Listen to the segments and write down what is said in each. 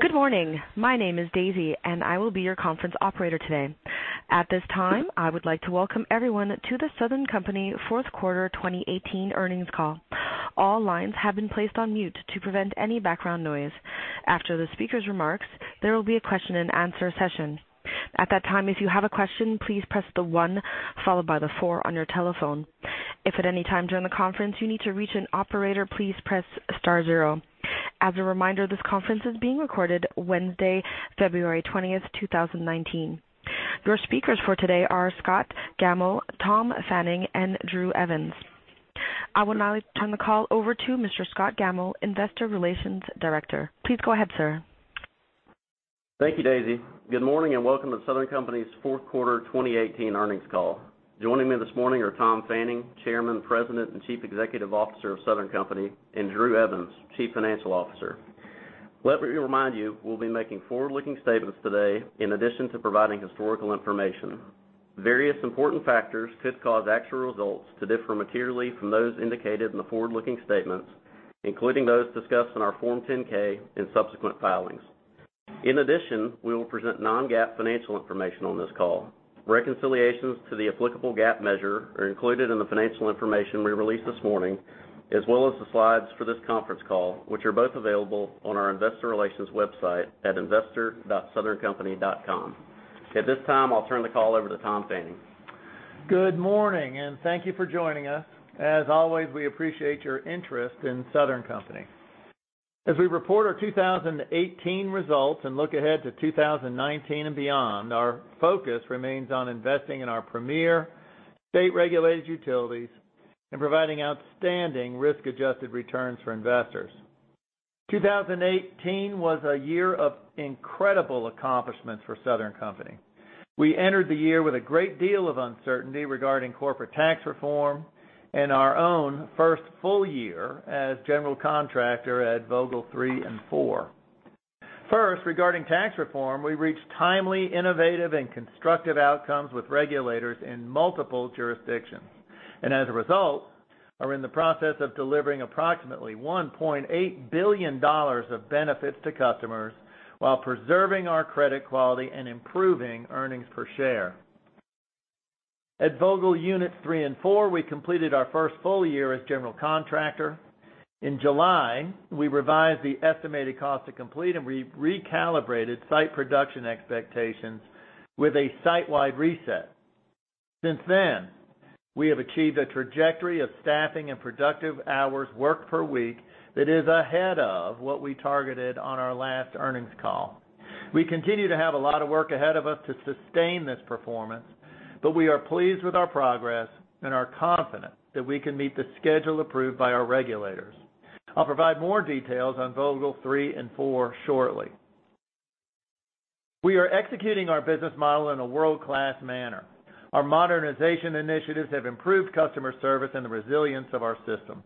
Good morning. My name is Daisy, and I will be your conference operator today. At this time, I would like to welcome everyone to The Southern Company fourth quarter 2018 earnings call. All lines have been placed on mute to prevent any background noise. After the speaker's remarks, there will be a question and answer session. At that time, if you have a question, please press the one followed by the four on your telephone. If at any time during the conference you need to reach an operator, please press star zero. As a reminder, this conference is being recorded Wednesday, February 20th, 2019. Your speakers for today are Scott Gammill, Tom Fanning, and Drew Evans. I would now like to turn the call over to Mr. Scott Gammill, investor relations director. Please go ahead, sir. Thank you, Daisy. Good morning and welcome to Southern Company's fourth quarter 2018 earnings call. Joining me this morning are Tom Fanning, chairman, president and chief executive officer of Southern Company, and Drew Evans, chief financial officer. Let me remind you, we'll be making forward-looking statements today in addition to providing historical information. Various important factors could cause actual results to differ materially from those indicated in the forward-looking statements, including those discussed in our Form 10-K and subsequent filings. In addition, we will present non-GAAP financial information on this call. Reconciliations to the applicable GAAP measure are included in the financial information we released this morning, as well as the slides for this conference call, which are both available on our investor relations website at investor.southerncompany.com. At this time, I'll turn the call over to Tom Fanning. Good morning, and thank you for joining us. As always, we appreciate your interest in Southern Company. As we report our 2018 results and look ahead to 2019 and beyond, our focus remains on investing in our premier state-regulated utilities and providing outstanding risk-adjusted returns for investors. 2018 was a year of incredible accomplishments for Southern Company. We entered the year with a great deal of uncertainty regarding corporate tax reform and our own first full year as general contractor at Vogtle 3 and 4. First, regarding tax reform, we reached timely, innovative, and constructive outcomes with regulators in multiple jurisdictions. As a result, are in the process of delivering approximately $1.8 billion of benefits to customers while preserving our credit quality and improving earnings per share. At Vogtle Units 3 and 4, we completed our first full year as general contractor. In July, we revised the estimated cost to complete, and we recalibrated site production expectations with a site-wide reset. Since then, we have achieved a trajectory of staffing and productive hours worked per week that is ahead of what we targeted on our last earnings call. We continue to have a lot of work ahead of us to sustain this performance, but we are pleased with our progress and are confident that we can meet the schedule approved by our regulators. Our modernization initiatives have improved customer service and the resilience of our system.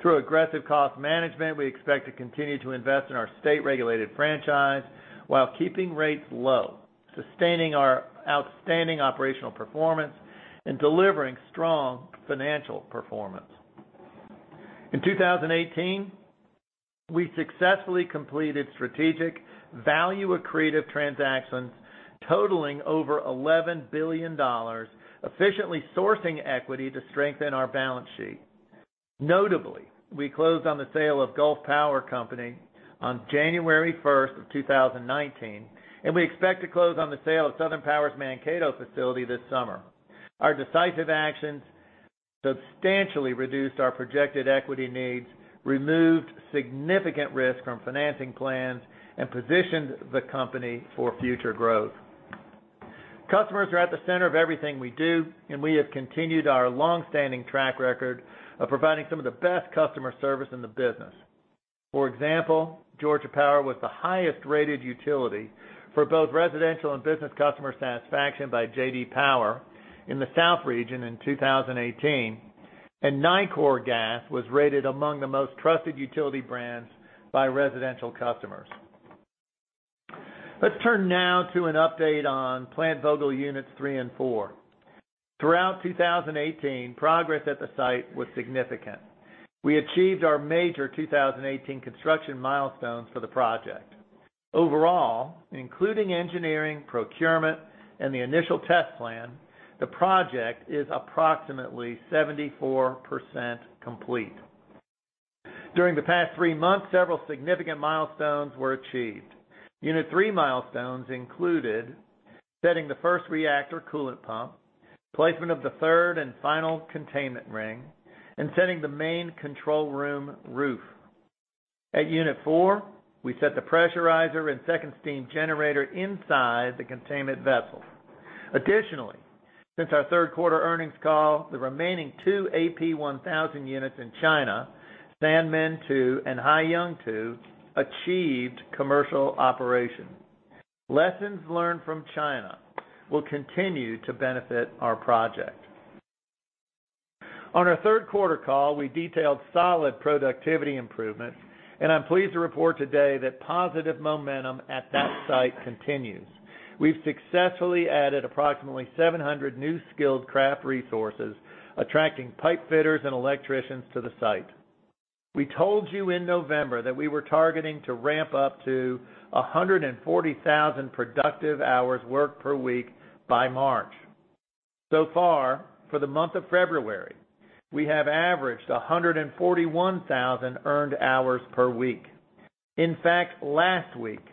Through aggressive cost management, we expect to continue to invest in our state-regulated franchise while keeping rates low, sustaining our outstanding operational performance, and delivering strong financial performance. In 2018, we successfully completed strategic value accretive transactions totaling over $11 billion, efficiently sourcing equity to strengthen our balance sheet. Notably, we closed on the sale of Gulf Power Company on January 1st of 2019, and we expect to close on the sale of Southern Power's Mankato facility this summer. Our decisive actions substantially reduced our projected equity needs, removed significant risk from financing plans, and positioned the company for future growth. Customers are at the center of everything we do, and we have continued our longstanding track record of providing some of the best customer service in the business. For example, Georgia Power was the highest-rated utility for both residential and business customer satisfaction by J.D. Power in the South region in 2018, and Nicor Gas was rated among the most trusted utility brands by residential customers. Let's turn now to an update on Plant Vogtle Units three and four. Throughout 2018, progress at the site was significant. We achieved our major 2018 construction milestones for the project. Overall, including engineering, procurement, and the initial test plan, the project is approximately 74% complete. During the past three months, several significant milestones were achieved. Unit three milestones included setting the first reactor coolant pump, placement of the third and final containment ring, and setting the main control room roof. At unit four, we set the pressurizer and second steam generator inside the containment vessel. Additionally, since our third quarter earnings call, the remaining two AP1000 units in China, Sanmen two and Haiyang two, achieved commercial operation. Lessons learned from China will continue to benefit our project. On our third quarter call, we detailed solid productivity improvements, and I'm pleased to report today that positive momentum at that site continues. We've successfully added approximately 700 new skilled craft resources, attracting pipe fitters and electricians to the site. We told you in November that we were targeting to ramp up to 140,000 productive hours worked per week by March. Far, for the month of February, we have averaged 141,000 earned hours per week. In fact, last week,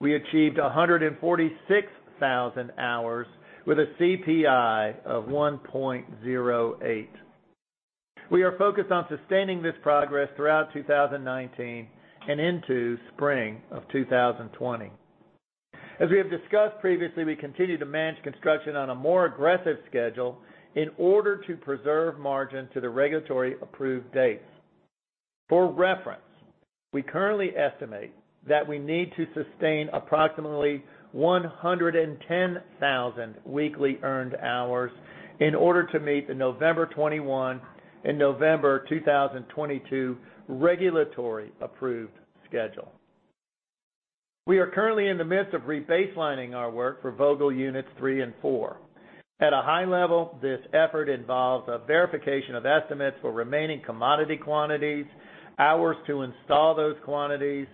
we achieved 146,000 hours with a CPI of 1.08. We are focused on sustaining this progress throughout 2019 and into spring of 2020. As we have discussed previously, we continue to manage construction on a more aggressive schedule in order to preserve margin to the regulatory approved dates. For reference, we currently estimate that we need to sustain approximately 110,000 weekly earned hours in order to meet the November 2021 and November 2022 regulatory approved schedule. We are currently in the midst of rebaselining our work for Vogtle Units three and four. At a high level, this effort involves a verification of estimates for remaining commodity quantities, hours to install those quantities,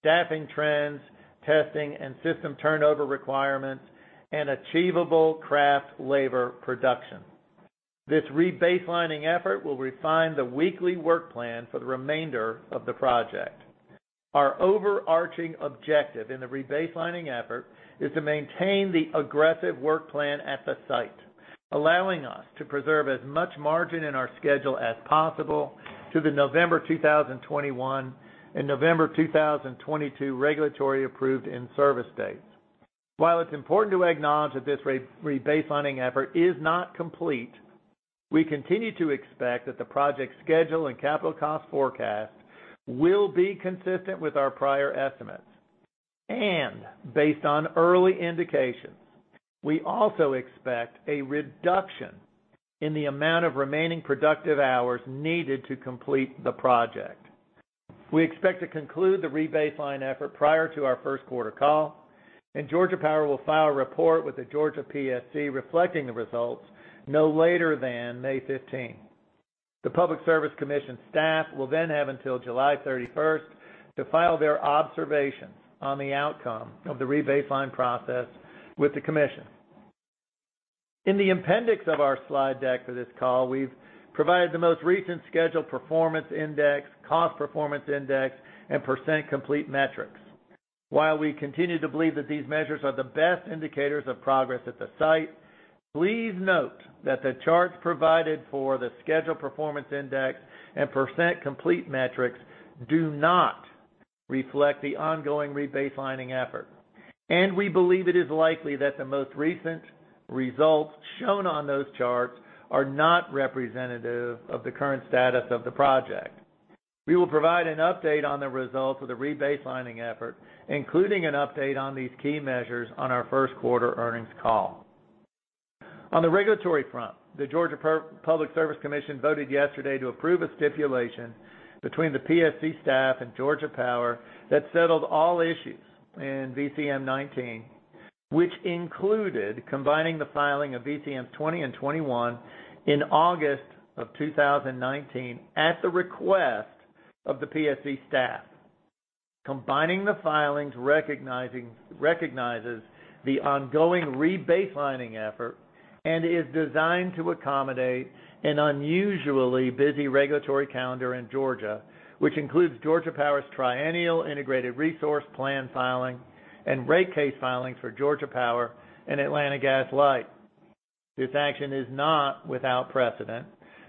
staffing trends, testing and system turnover requirements, and achievable craft labor production. This rebaselining effort will refine the weekly work plan for the remainder of the project. Our overarching objective in the rebaselining effort is to maintain the aggressive work plan at the site, allowing us to preserve as much margin in our schedule as possible to the November 2021 and November 2022 regulatory approved in-service dates. While it's important to acknowledge that this rebaselining effort is not complete, we continue to expect that the project schedule and capital cost forecast will be consistent with our prior estimates. Based on early indications, we also expect a reduction in the amount of remaining productive hours needed to complete the project. We expect to conclude the rebaselining effort prior to our first quarter call. Georgia Power will file a report with the Georgia PSC reflecting the results no later than May 15. The Public Service Commission staff will have until July 31 to file their observations on the outcome of the rebaselining process with the commission. In the appendix of our slide deck for this call, we've provided the most recent Schedule Performance Index, Cost Performance Index, and percent complete metrics. While we continue to believe that these measures are the best indicators of progress at the site, please note that the charts provided for the Schedule Performance Index and percent complete metrics do not reflect the ongoing rebaselining effort. We believe it is likely that the most recent results shown on those charts are not representative of the current status of the project. We will provide an update on the results of the rebaselining effort, including an update on these key measures on our first quarter earnings call. On the regulatory front, the Georgia Public Service Commission voted yesterday to approve a stipulation between the PSC staff and Georgia Power that settled all issues in VCM 19, which included combining the filing of VCM 20 and VCM 21 in August 2019 at the request of the PSC staff. Combining the filings recognizes the ongoing rebaselining effort and is designed to accommodate an unusually busy regulatory calendar in Georgia, which includes Georgia Power's triennial integrated resource plan filing and rate case filings for Georgia Power and Atlanta Gas Light. This action is not without precedent.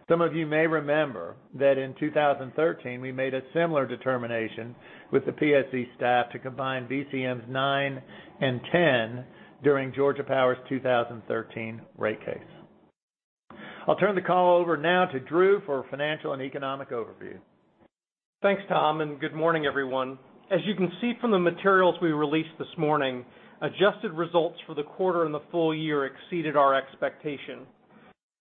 Some of you may remember that in 2013, we made a similar determination with the PSC staff to combine VCMs 9 and 10 during Georgia Power's 2013 rate case. I'll turn the call over now to Drew for financial and economic overview. Thanks, Tom. Good morning, everyone. As you can see from the materials we released this morning, adjusted results for the quarter and the full year exceeded our expectations.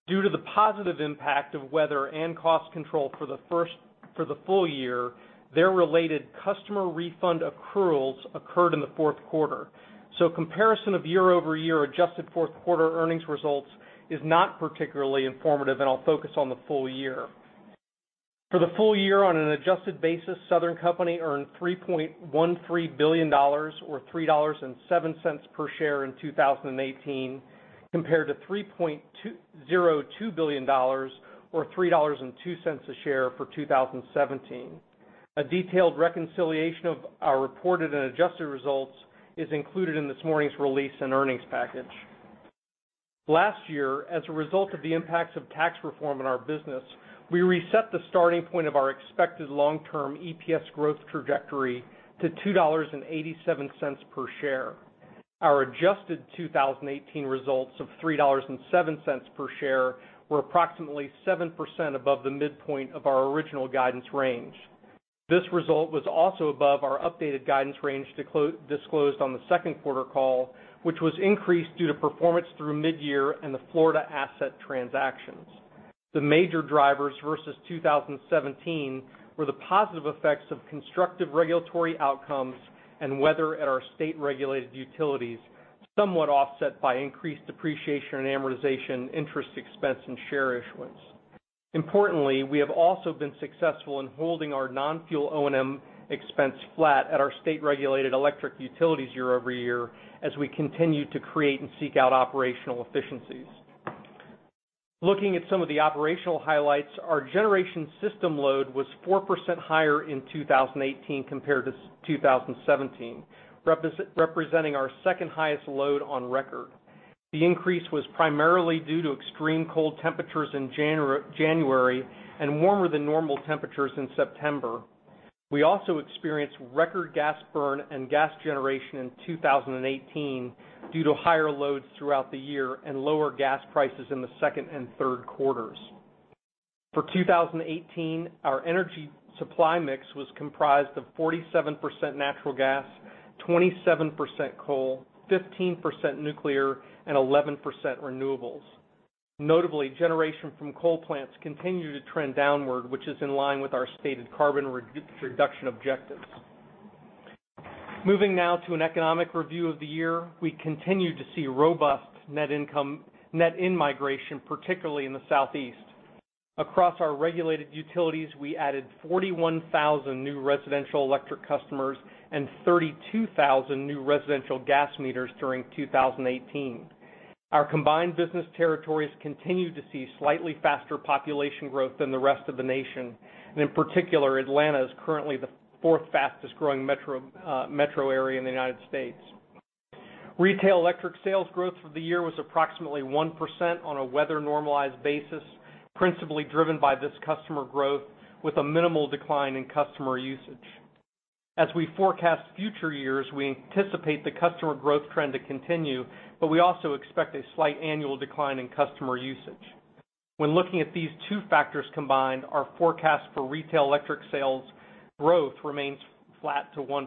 Due to the positive impact of weather and cost control for the full year, their related customer refund accruals occurred in the fourth quarter. Comparison of year-over-year adjusted fourth quarter earnings results is not particularly informative. I'll focus on the full year. For the full year, on an adjusted basis, Southern Company earned $3.13 billion or $3.07 per share in 2018, compared to $3.02 billion or $3.02 per share for 2017. A detailed reconciliation of our reported and adjusted results is included in this morning's release and earnings package. Last year, as a result of the impacts of tax reform in our business, we reset the starting point of our expected long-term EPS growth trajectory to $2.87 per share. Our adjusted 2018 results of $3.07 per share were approximately 7% above the midpoint of our original guidance range. This result was also above our updated guidance range disclosed on the second quarter call, which was increased due to performance through mid-year and the Florida asset transactions. The major drivers versus 2017 were the positive effects of constructive regulatory outcomes and weather at our state-regulated utilities, somewhat offset by increased depreciation and amortization, interest expense, and share issuance. Importantly, we have also been successful in holding our non-fuel O&M expense flat at our state-regulated electric utilities year-over-year as we continue to create and seek out operational efficiencies. Looking at some of the operational highlights, our generation system load was 4% higher in 2018 compared to 2017, representing our second-highest load on record. The increase was primarily due to extreme cold temperatures in January and warmer than normal temperatures in September. We also experienced record gas burn and gas generation in 2018 due to higher loads throughout the year and lower gas prices in the second and third quarters. For 2018, our energy supply mix was comprised of 47% natural gas, 27% coal, 15% nuclear, and 11% renewables. Notably, generation from coal plants continue to trend downward, which is in line with our stated carbon reduction objectives. Moving now to an economic review of the year. We continue to see robust net in-migration, particularly in the Southeast. Across our regulated utilities, we added 41,000 new residential electric customers and 32,000 new residential gas meters during 2018. Our combined business territories continue to see slightly faster population growth than the rest of the nation. In particular, Atlanta is currently the fourth fastest-growing metro area in the United States. Retail electric sales growth for the year was approximately 1% on a weather-normalized basis, principally driven by this customer growth, with a minimal decline in customer usage. As we forecast future years, we anticipate the customer growth trend to continue, but we also expect a slight annual decline in customer usage. When looking at these two factors combined, our forecast for retail electric sales growth remains flat to 1%.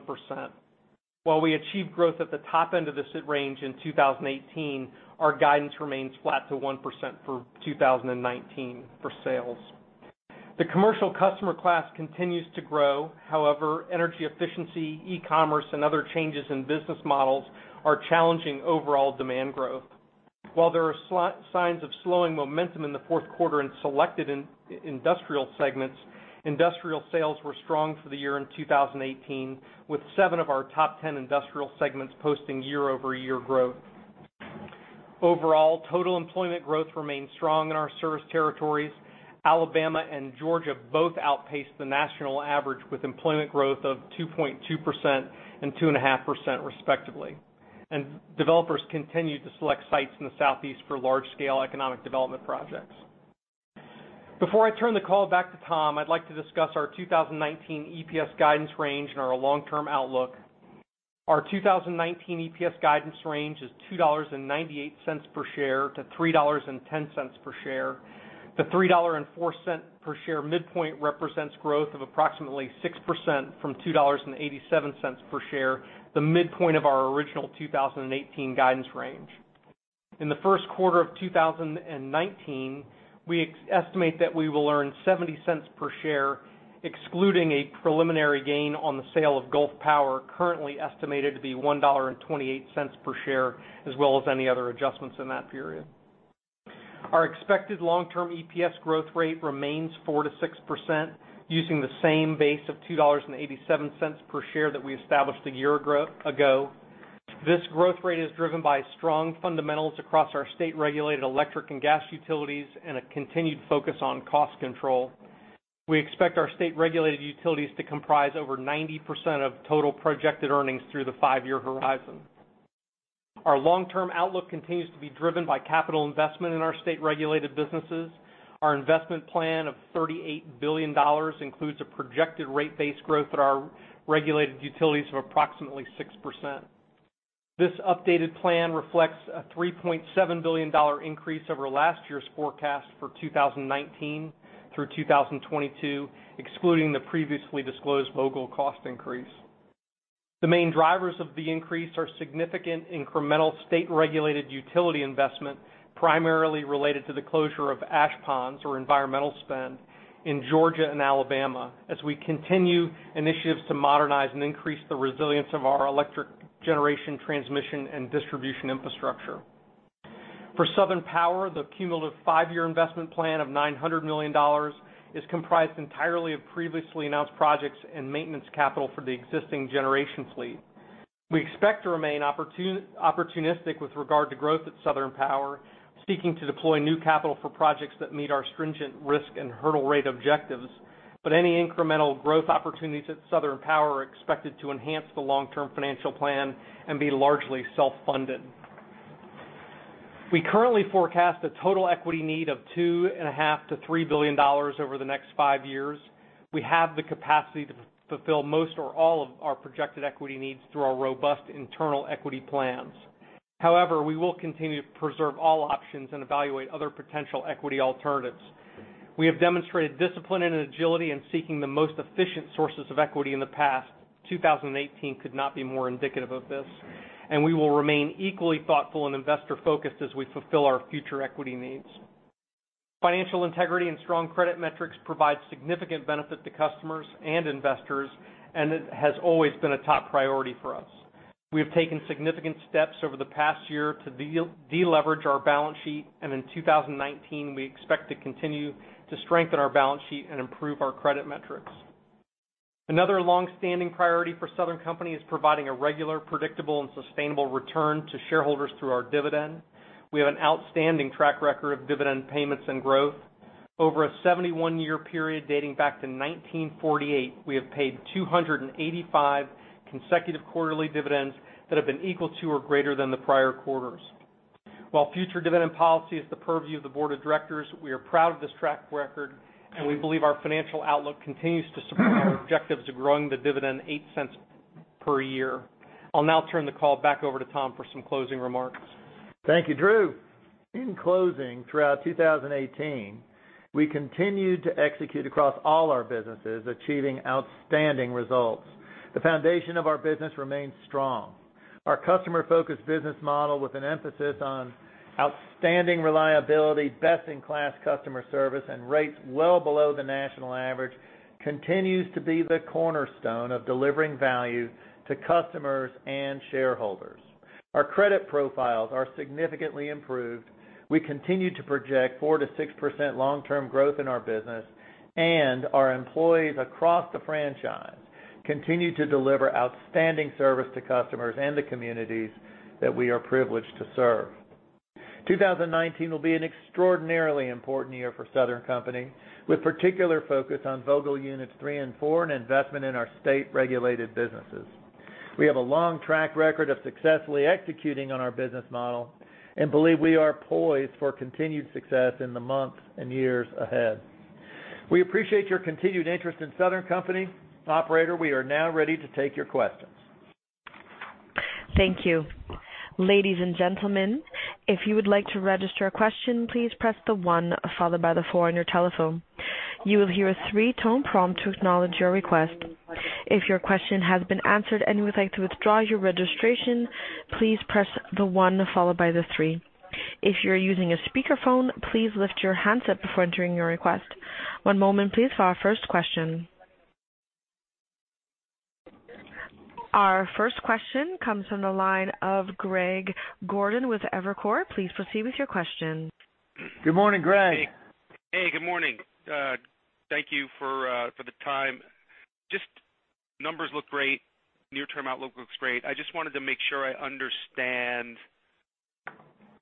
While we achieved growth at the top end of this range in 2018, our guidance remains flat to 1% for 2019 for sales. The commercial customer class continues to grow. However, energy efficiency, e-commerce, and other changes in business models are challenging overall demand growth. While there are signs of slowing momentum in the fourth quarter in selected industrial segments, industrial sales were strong for the year in 2018, with seven of our top 10 industrial segments posting year-over-year growth. Overall, total employment growth remains strong in our service territories. Alabama and Georgia both outpaced the national average, with employment growth of 2.2% and 2.5% respectively. Developers continue to select sites in the Southeast for large-scale economic development projects. Before I turn the call back to Tom, I'd like to discuss our 2019 EPS guidance range and our long-term outlook. Our 2019 EPS guidance range is $2.98 per share to $3.10 per share. The $3.04 per share midpoint represents growth of approximately 6% from $2.87 per share, the midpoint of our original 2018 guidance range. In the first quarter of 2019, we estimate that we will earn $0.70 per share, excluding a preliminary gain on the sale of Gulf Power, currently estimated to be $1.28 per share, as well as any other adjustments in that period. Our expected long-term EPS growth rate remains 4%-6%, using the same base of $2.87 per share that we established a year ago. This growth rate is driven by strong fundamentals across our state-regulated electric and gas utilities and a continued focus on cost control. We expect our state-regulated utilities to comprise over 90% of total projected earnings through the five-year horizon. Our long-term outlook continues to be driven by capital investment in our state-regulated businesses. Our investment plan of $38 billion includes a projected rate base growth at our regulated utilities of approximately 6%. This updated plan reflects a $3.7 billion increase over last year's forecast for 2019 through 2022, excluding the previously disclosed Vogtle cost increase. The main drivers of the increase are significant incremental state-regulated utility investment, primarily related to the closure of ash ponds or environmental spend in Georgia and Alabama, as we continue initiatives to modernize and increase the resilience of our electric generation transmission and distribution infrastructure. For Southern Power, the cumulative five-year investment plan of $900 million is comprised entirely of previously announced projects and maintenance capital for the existing generation fleet. We expect to remain opportunistic with regard to growth at Southern Power, seeking to deploy new capital for projects that meet our stringent risk and hurdle rate objectives, but any incremental growth opportunities at Southern Power are expected to enhance the long-term financial plan and be largely self-funded. We currently forecast a total equity need of $2.5 billion-$3 billion over the next five years. We have the capacity to fulfill most or all of our projected equity needs through our robust internal equity plans. However, we will continue to preserve all options and evaluate other potential equity alternatives. We have demonstrated discipline and agility in seeking the most efficient sources of equity in the past. 2018 could not be more indicative of this, and we will remain equally thoughtful and investor-focused as we fulfill our future equity needs. Financial integrity and strong credit metrics provide significant benefit to customers and investors, and it has always been a top priority for us. We have taken significant steps over the past year to deleverage our balance sheet, and in 2019, we expect to continue to strengthen our balance sheet and improve our credit metrics. Another longstanding priority for Southern Company is providing a regular, predictable, and sustainable return to shareholders through our dividend. We have an outstanding track record of dividend payments and growth. Over a 71-year period dating back to 1948, we have paid 285 consecutive quarterly dividends that have been equal to or greater than the prior quarters. While future dividend policy is the purview of the board of directors, we are proud of this track record, and we believe our financial outlook continues to support our objectives of growing the dividend $0.08 per year. I'll now turn the call back over to Tom for some closing remarks. Thank you, Drew. In closing, throughout 2018, we continued to execute across all our businesses, achieving outstanding results. The foundation of our business remains strong. Our customer-focused business model with an emphasis on outstanding reliability, best-in-class customer service, and rates well below the national average continues to be the cornerstone of delivering value to customers and shareholders. Our credit profiles are significantly improved. We continue to project 4%-6% long-term growth in our business, and our employees across the franchise continue to deliver outstanding service to customers and the communities that we are privileged to serve. 2019 will be an extraordinarily important year for Southern Company, with particular focus on Vogtle Units 3 and 4 and investment in our state-regulated businesses. We have a long track record of successfully executing on our business model and believe we are poised for continued success in the months and years ahead. We appreciate your continued interest in Southern Company. Operator, we are now ready to take your questions. Thank you. Ladies and gentlemen, if you would like to register a question, please press the one followed by the four on your telephone. You will hear a three-tone prompt to acknowledge your request. If your question has been answered and you would like to withdraw your registration, please press the one followed by the three. If you're using a speakerphone, please lift your handset before entering your request. One moment, please, for our first question. Our first question comes from the line of Greg Gordon with Evercore. Please proceed with your question. Good morning, Greg. Hey, good morning. Thank you for the time. Just numbers look great. Near-term outlook looks great. I just wanted to make sure I understand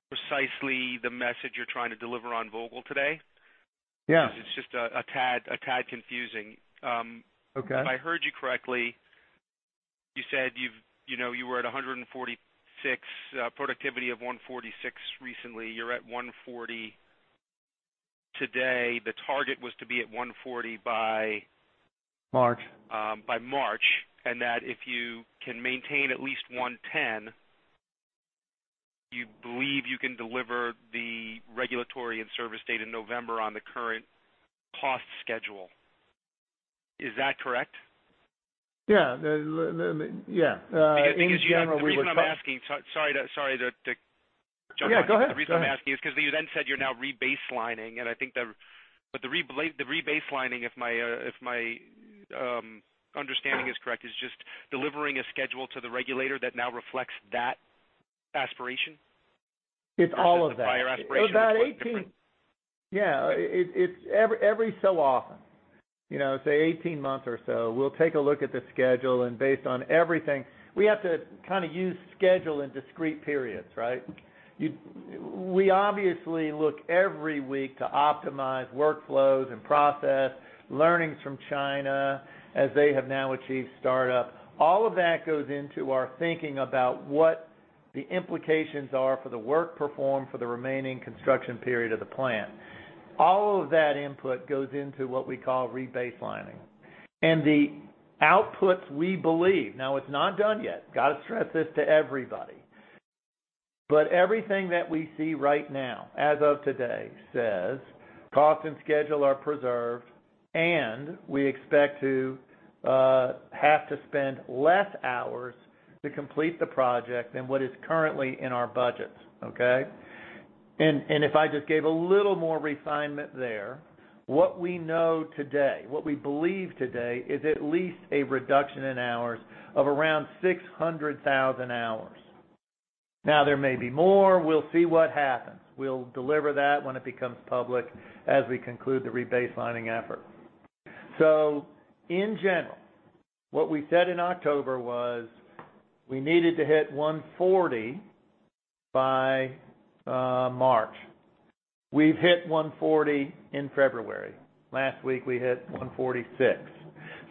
precisely the message you're trying to deliver on Vogtle today. Yeah. It's just a tad confusing. Okay. If I heard you correctly, you said you were at a productivity of 146 recently. You're at 140 today. The target was to be at 140 by. March By March, that if you can maintain at least 110, you believe you can deliver the regulatory and service date in November on the current cost schedule. Is that correct? Yeah. The reason I'm asking, sorry to jump on you. Yeah, go ahead. The reason I'm asking is because you then said you're now rebaselining, I think that the rebaselining, if my understanding is correct, is just delivering a schedule to the regulator that now reflects that aspiration. It's all of that. Your aspiration is quite different. Yeah. Every so often, say 18 months or so, we'll take a look at the schedule. Based on everything, we have to use schedule in discrete periods, right? We obviously look every week to optimize workflows and process learnings from China as they have now achieved startup. All of that goes into our thinking about what the implications are for the work performed for the remaining construction period of the plant. All of that input goes into what we call rebaselining. The outputs, we believe, now, it's not done yet. Got to stress this to everybody. Everything that we see right now, as of today, says cost and schedule are preserved, and we expect to have to spend less hours to complete the project than what is currently in our budgets. Okay? If I just gave a little more refinement there, what we know today, what we believe today is at least a reduction in hours of around 600,000 hours. Now, there may be more. We'll see what happens. We'll deliver that when it becomes public as we conclude the rebaselining effort. In general, what we said in October was we needed to hit 140 by March. We've hit 140 in February. Last week, we hit 146.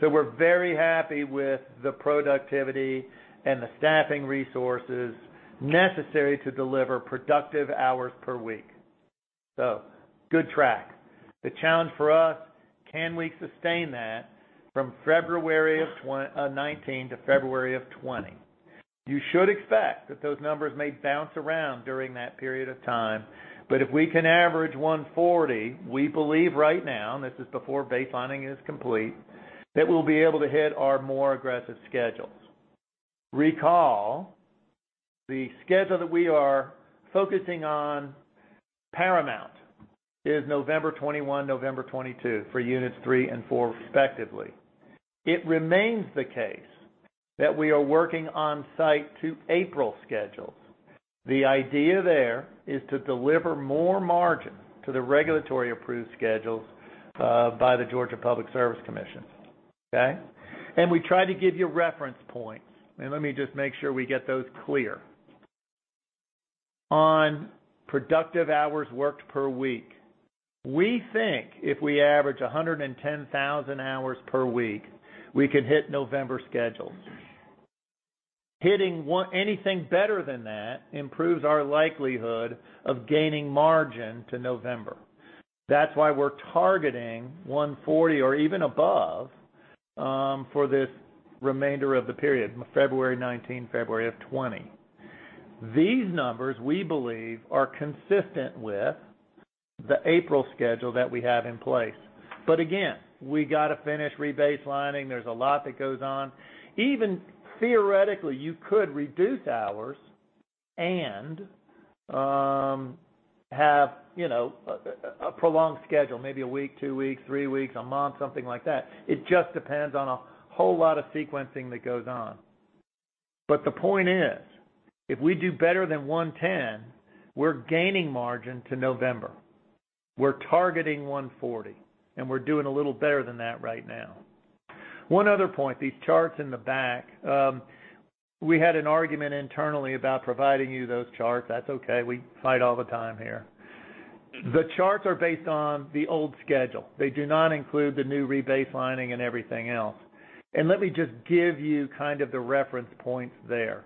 We're very happy with the productivity and the staffing resources necessary to deliver productive hours per week. Good track. The challenge for us, can we sustain that from February of 2019 to February of 2020? You should expect that those numbers may bounce around during that period of time. If we can average 140, we believe right now, and this is before baselining is complete, that we'll be able to hit our more aggressive schedules. Recall, the schedule that we are focusing on paramount is November 21, November 22 for units 3 and 4, respectively. It remains the case that we are working on site to April schedules. The idea there is to deliver more margin to the regulatory approved schedules by the Georgia Public Service Commission. Okay? We try to give you reference points. Let me just make sure we get those clear. On productive hours worked per week, we think if we average 110,000 hours per week, we could hit November schedules. Hitting anything better than that improves our likelihood of gaining margin to November. That's why we're targeting 140 or even above for this remainder of the period, February 2019, February of 2020. These numbers, we believe, are consistent with the April schedule that we have in place. Again, we got to finish rebaselining. There's a lot that goes on. Even theoretically, you could reduce hours and have a prolonged schedule, maybe one week, two weeks, three weeks, a month, something like that. It just depends on a whole lot of sequencing that goes on. The point is, if we do better than 110, we're gaining margin to November. We're targeting 140, and we're doing a little better than that right now. One other point, these charts in the back, we had an argument internally about providing you those charts. That's okay. We fight all the time here. The charts are based on the old schedule. They do not include the new rebaselining and everything else. Let me just give you kind of the reference points there.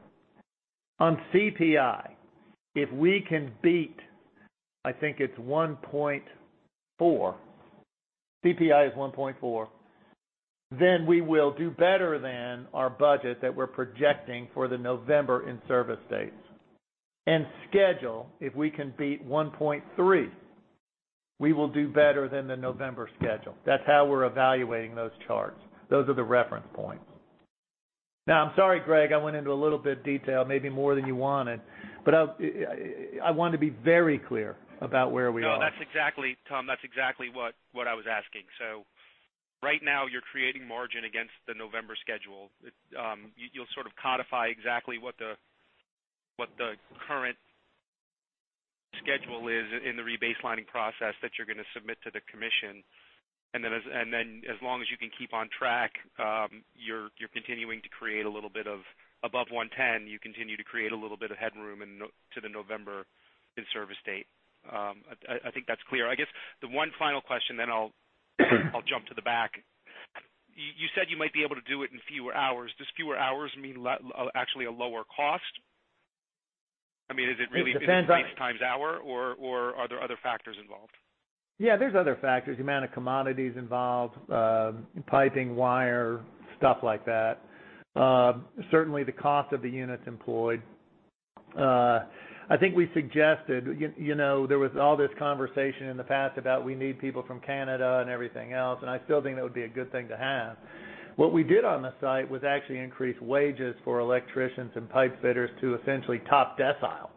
On CPI, if we can beat, I think it's 1.4. CPI is 1.4. Then we will do better than our budget that we're projecting for the November in-service dates. And schedule, if we can beat 1.3, we will do better than the November schedule. That's how we're evaluating those charts. Those are the reference points. I'm sorry, Greg, I went into a little bit of detail, maybe more than you wanted, but I want to be very clear about where we are. Tom, that's exactly what I was asking. Right now you're creating margin against the November schedule. You'll sort of codify exactly what the current schedule is in the rebaselining process that you're going to submit to the commission. Then as long as you can keep on track, you're continuing to create a little bit of above 110, you continue to create a little bit of headroom to the November in-service date. I think that's clear. I guess the one final question, then I'll jump to the back. You said you might be able to do it in fewer hours. Does fewer hours mean actually a lower cost? I mean, is it really- Depends on- times hour, or are there other factors involved? Yeah, there's other factors. The amount of commodities involved, piping, wire, stuff like that. Certainly, the cost of the units employed. I think we suggested, there was all this conversation in the past about we need people from Canada and everything else, and I still think that would be a good thing to have. What we did on the site was actually increase wages for electricians and pipe fitters to essentially top decile.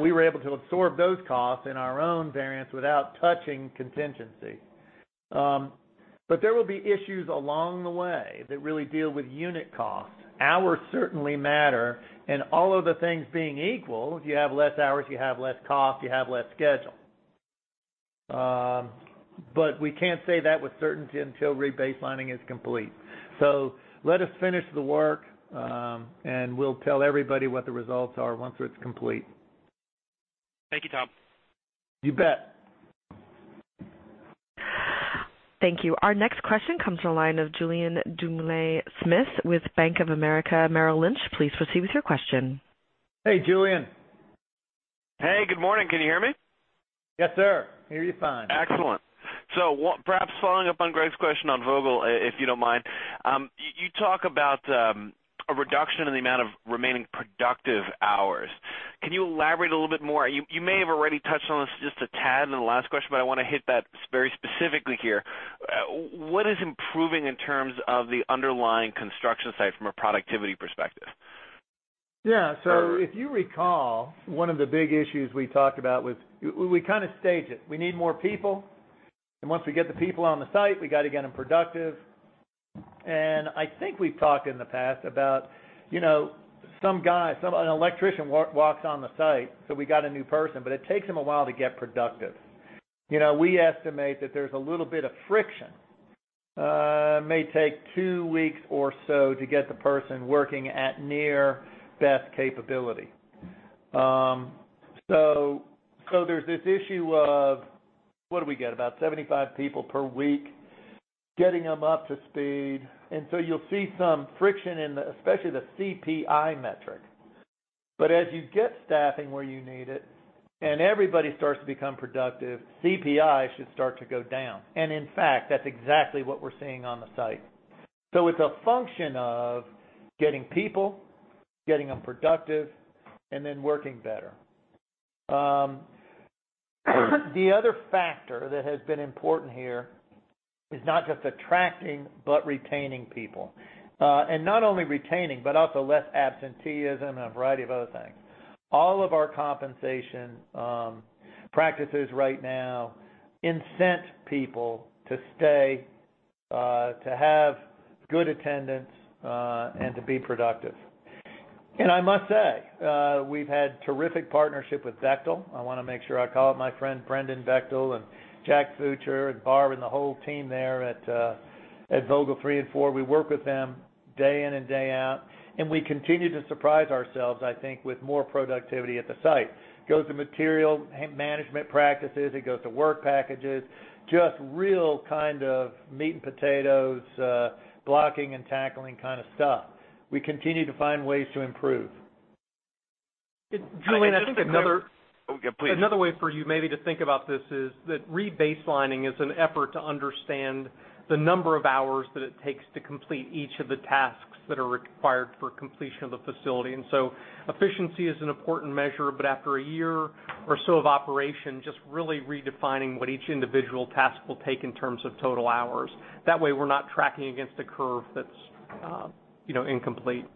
We were able to absorb those costs in our own variance without touching contingency. There will be issues along the way that really deal with unit costs. Hours certainly matter. All of the things being equal, if you have less hours, you have less cost, you have less schedule. We can't say that with certainty until rebaselining is complete. Let us finish the work, and we'll tell everybody what the results are once it's complete. Thank you, Tom. You bet. Thank you. Our next question comes from the line of Julien Dumoulin-Smith with Bank of America Merrill Lynch. Please proceed with your question. Hey, Julien. Hey, good morning. Can you hear me? Yes, sir. Hear you fine. Excellent. Perhaps following up on Greg's question on Vogtle, if you don't mind. You talk about a reduction in the amount of remaining productive hours. Can you elaborate a little bit more? You may have already touched on this just a tad in the last question, but I want to hit that very specifically here. What is improving in terms of the underlying construction site from a productivity perspective? Yeah. If you recall, one of the big issues we talked about was we kind of stage it. We need more people. Once we get the people on the site, we got to get them productive. I think we've talked in the past about some guy, an electrician walks on the site, so we got a new person, but it takes him a while to get productive. We estimate that there's a little bit of friction. It may take two weeks or so to get the person working at near best capability. There's this issue of what do we get? About 75 people per week, getting them up to speed. You'll see some friction in especially the CPI metric. As you get staffing where you need it and everybody starts to become productive, CPI should start to go down. In fact, that's exactly what we're seeing on the site. It's a function of getting people, getting them productive, then working better. The other factor that has been important here is not just attracting, but retaining people. Not only retaining, but also less absenteeism and a variety of other things. All of our compensation practices right now incent people to stay, to have good attendance, and to be productive. I must say, we've had terrific partnership with Bechtel. I want to make sure I call out my friend Brendan Bechtel and Jack Futcher and Barb and the whole team there at Vogtle 3 and 4. We work with them day in and day out, and we continue to surprise ourselves, I think, with more productivity at the site. It goes to material management practices, it goes to work packages, just real kind of meat and potatoes, blocking and tackling kind of stuff. We continue to find ways to improve. Julien, I think. Oh, yeah, please. Another way for you maybe to think about this is that rebaselining is an effort to understand the number of hours that it takes to complete each of the tasks that are required for completion of the facility. Efficiency is an important measure, but after a year or so of operation, just really redefining what each individual task will take in terms of total hours. That way, we're not tracking against a curve that's incomplete.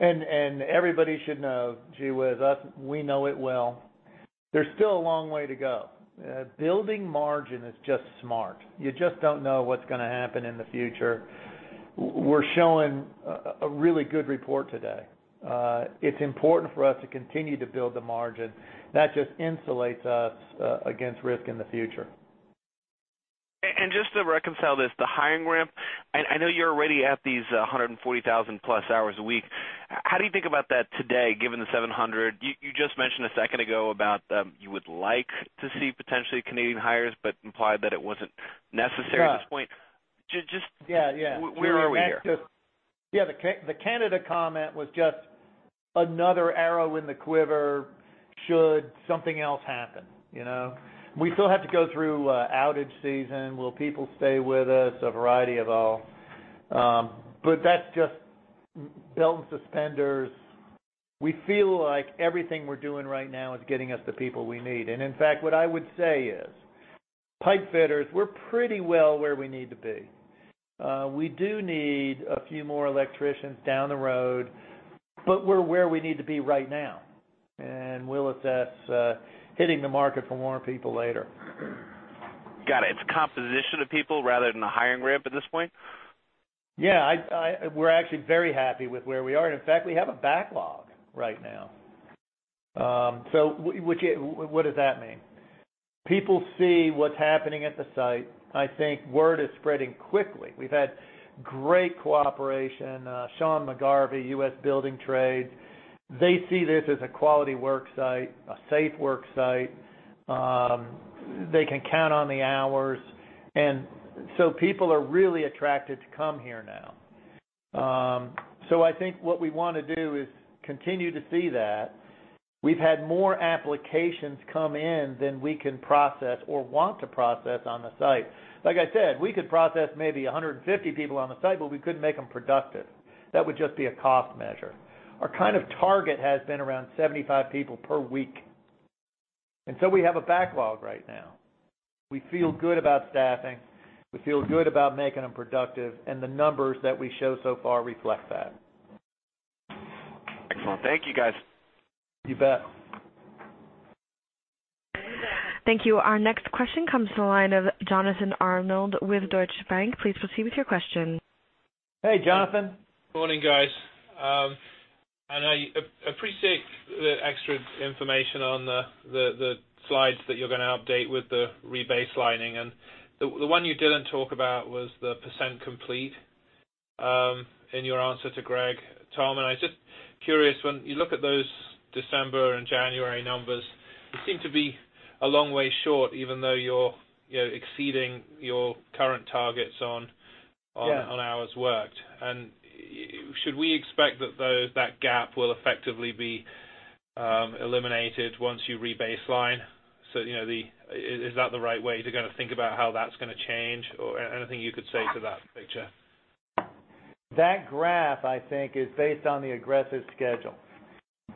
Everybody should know, G, with us, we know it well. There's still a long way to go. Building margin is just smart. You just don't know what's going to happen in the future. We're showing a really good report today. It's important for us to continue to build the margin. That just insulates us against risk in the future. Just to reconcile this, the hiring ramp, I know you're already at these 140,000 plus hours a week. How do you think about that today, given the 700? You just mentioned a second ago about, you would like to see potentially Canadian hires, but implied that it wasn't necessary at this point. Yeah. Just- Yeah Where are we here? Yeah, the Canada comment was just another arrow in the quiver should something else happen. We still have to go through outage season. Will people stay with us? A variety of all. That's just belt and suspenders. We feel like everything we're doing right now is getting us the people we need. In fact, what I would say is, pipe fitters, we're pretty well where we need to be. We do need a few more electricians down the road, but we're where we need to be right now, and we'll assess hitting the market for more people later. Got it. It's composition of people rather than a hiring ramp at this point? Yeah. We're actually very happy with where we are. In fact, we have a backlog right now. What does that mean? People see what's happening at the site. I think word is spreading quickly. We've had great cooperation. Sean McGarvey, U.S. Building Trades, they see this as a quality work site, a safe work site. They can count on the hours. People are really attracted to come here now. I think what we want to do is continue to see that. We've had more applications come in than we can process or want to process on the site. Like I said, we could process maybe 150 people on the site, but we couldn't make them productive. That would just be a cost measure. Our kind of target has been around 75 people per week, we have a backlog right now. We feel good about staffing. We feel good about making them productive. The numbers that we show so far reflect that. Excellent. Thank you, guys. You bet. Thank you. Our next question comes to the line of Jonathan Arnold with Deutsche Bank. Please proceed with your question. Hey, Jonathan. Morning, guys. I appreciate the extra information on the slides that you're going to update with the rebaselining. The one you didn't talk about was the percent complete in your answer to Greg, Tom, I was just curious, when you look at those December and January numbers, they seem to be a long way short, even though you're exceeding your current targets. Yeah hours worked. Should we expect that that gap will effectively be eliminated once you rebaseline? Is that the right way to kind of think about how that's going to change? Anything you could say to that picture? That graph, I think, is based on the aggressive schedule.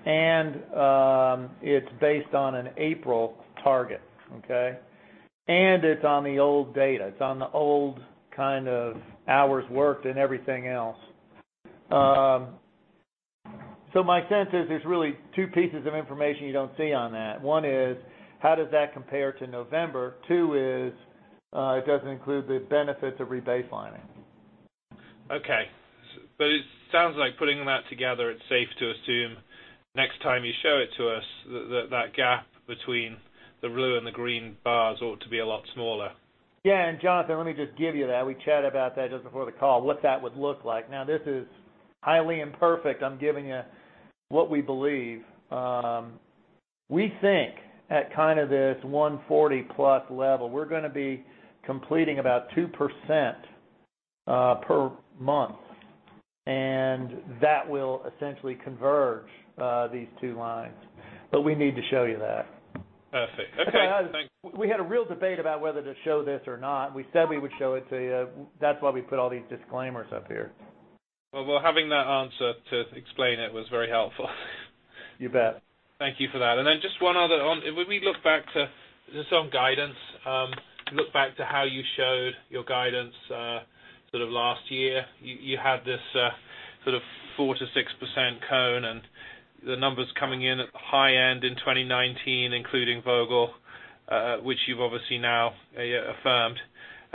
It's based on an April target, okay? It's on the old data. It's on the old kind of hours worked and everything else. My sense is there's really two pieces of information you don't see on that. One is, how does that compare to November? Two is, it doesn't include the benefits of rebaselining. Okay. It sounds like putting that together, it's safe to assume next time you show it to us, that that gap between the blue and the green bars ought to be a lot smaller. Jonathan, let me just give you that. We chatted about that just before the call, what that would look like. This is highly imperfect. I'm giving you what we believe. We think at kind of this 140-plus level, we're going to be completing about 2% per month. That will essentially converge these two lines. We need to show you that. Perfect. Okay, thanks. We had a real debate about whether to show this or not. We said we would show it to you. That's why we put all these disclaimers up here. Having that answer to explain it was very helpful. You bet. Thank you for that. Then just one other. When we look back to some guidance, look back to how you showed your guidance sort of last year, you had this sort of 4%-6% cone, and the numbers coming in at the high end in 2019, including Vogtle which you've obviously now affirmed,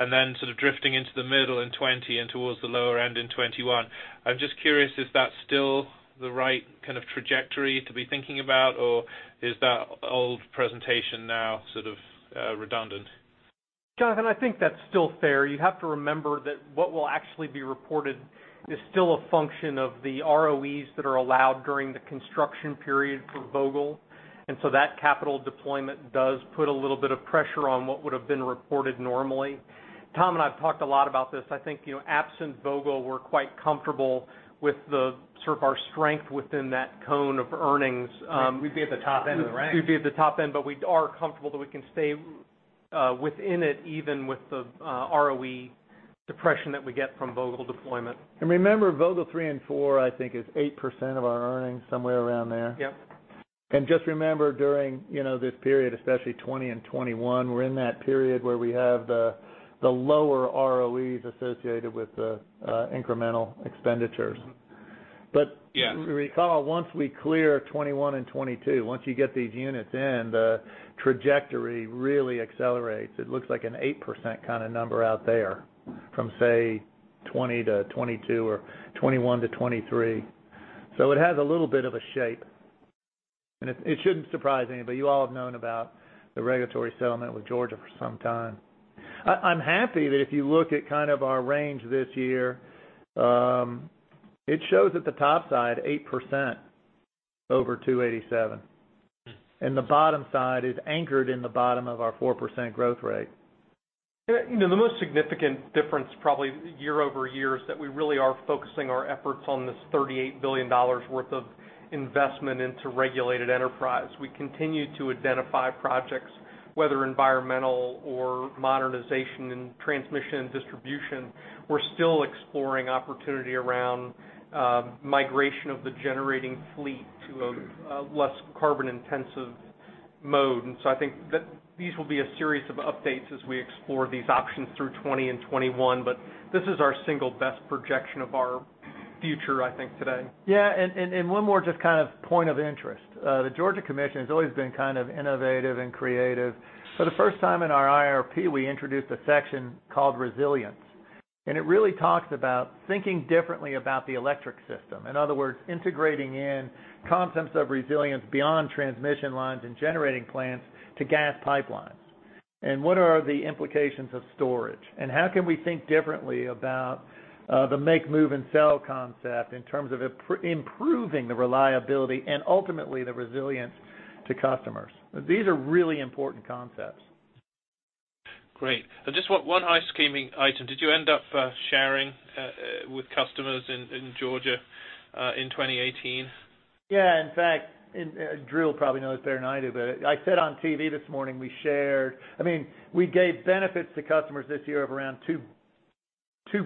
then sort of drifting into the middle in 2020 and towards the lower end in 2021. I'm just curious, is that still the right kind of trajectory to be thinking about, or is that old presentation now sort of redundant? Jonathan, I think that's still fair. You have to remember that what will actually be reported is still a function of the ROEs that are allowed during the construction period for Vogtle. So that capital deployment does put a little bit of pressure on what would've been reported normally. Tom and I have talked a lot about this. I think, absent Vogtle, we're quite comfortable with sort of our strength within that cone of earnings. We'd be at the top end of the range. We'd be at the top end, but we are comfortable that we can stay within it, even with the ROE depression that we get from Vogtle deployment. Remember, Vogtle 3 and 4, I think, is 8% of our earnings, somewhere around there. Yep. Just remember during this period, especially 2020 and 2021, we're in that period where we have the lower ROEs associated with the incremental expenditures. Yes. Recall, once we clear 2021 and 2022, once you get these units in, the trajectory really accelerates. It looks like an 8% kind of number out there from, say, 2020-2022 or 2021-2023. It has a little bit of a shape, and it shouldn't surprise anybody. You all have known about the regulatory settlement with Georgia for some time. I'm happy that if you look at kind of our range this year, it shows at the top side 8% over $287, and the bottom side is anchored in the bottom of our 4% growth rate. The most significant difference probably year-over-year is that we really are focusing our efforts on this $38 billion worth of investment into regulated enterprise. We continue to identify projects, whether environmental or modernization in transmission and distribution. We're still exploring opportunity around migration of the generating fleet to a less carbon-intensive mode. I think that these will be a series of updates as we explore these options through 2020 and 2021, but this is our single best projection of our future, I think, today. One more just kind of point of interest. The Georgia Commission has always been kind of innovative and creative. For the first time in our IRP, we introduced a section called resilience. It really talks about thinking differently about the electric system. In other words, integrating in concepts of resilience beyond transmission lines and generating plants to gas pipelines. What are the implications of storage? How can we think differently about the make, move, and sell concept in terms of improving the reliability and ultimately the resilience to customers? These are really important concepts. Great. Just one high-level item. Did you end up sharing with customers in Georgia in 2018? In fact, Drew probably knows better than I do, but I said on TV this morning, we gave benefits to customers this year of around $2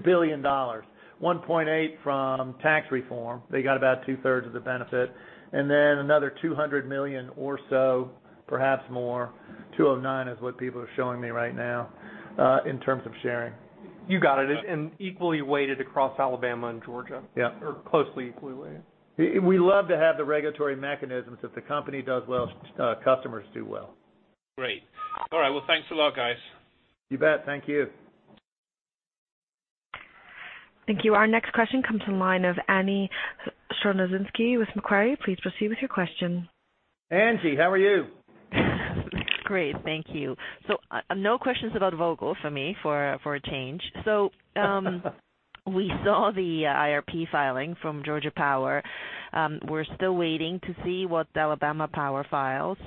billion. $1.8 billion from tax reform. They got about two-thirds of the benefit. Another $200 million or so, perhaps more, $209 million is what people are showing me right now, in terms of sharing. You got it, and equally weighted across Alabama and Georgia. Yeah. Closely equally weighted. We love to have the regulatory mechanisms. If the company does well, customers do well. Great. All right. Thanks a lot, guys. You bet. Thank you. Thank you. Our next question comes from the line of Angie Storozynski with Macquarie. Please proceed with your question. Angie, how are you? Great. Thank you. We saw the IRP filing from Georgia Power. We're still waiting to see what the Alabama Power files.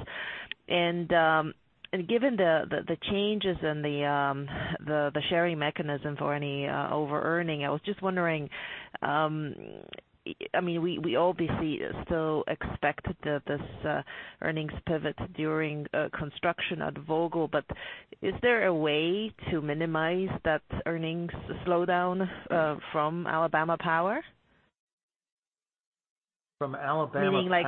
Given the changes in the sharing mechanism for any overearning, I was just wondering, we obviously still expect this earnings pivot during construction at Vogtle, but is there a way to minimize that earnings slowdown from Alabama Power? From Alabama Power. Meaning like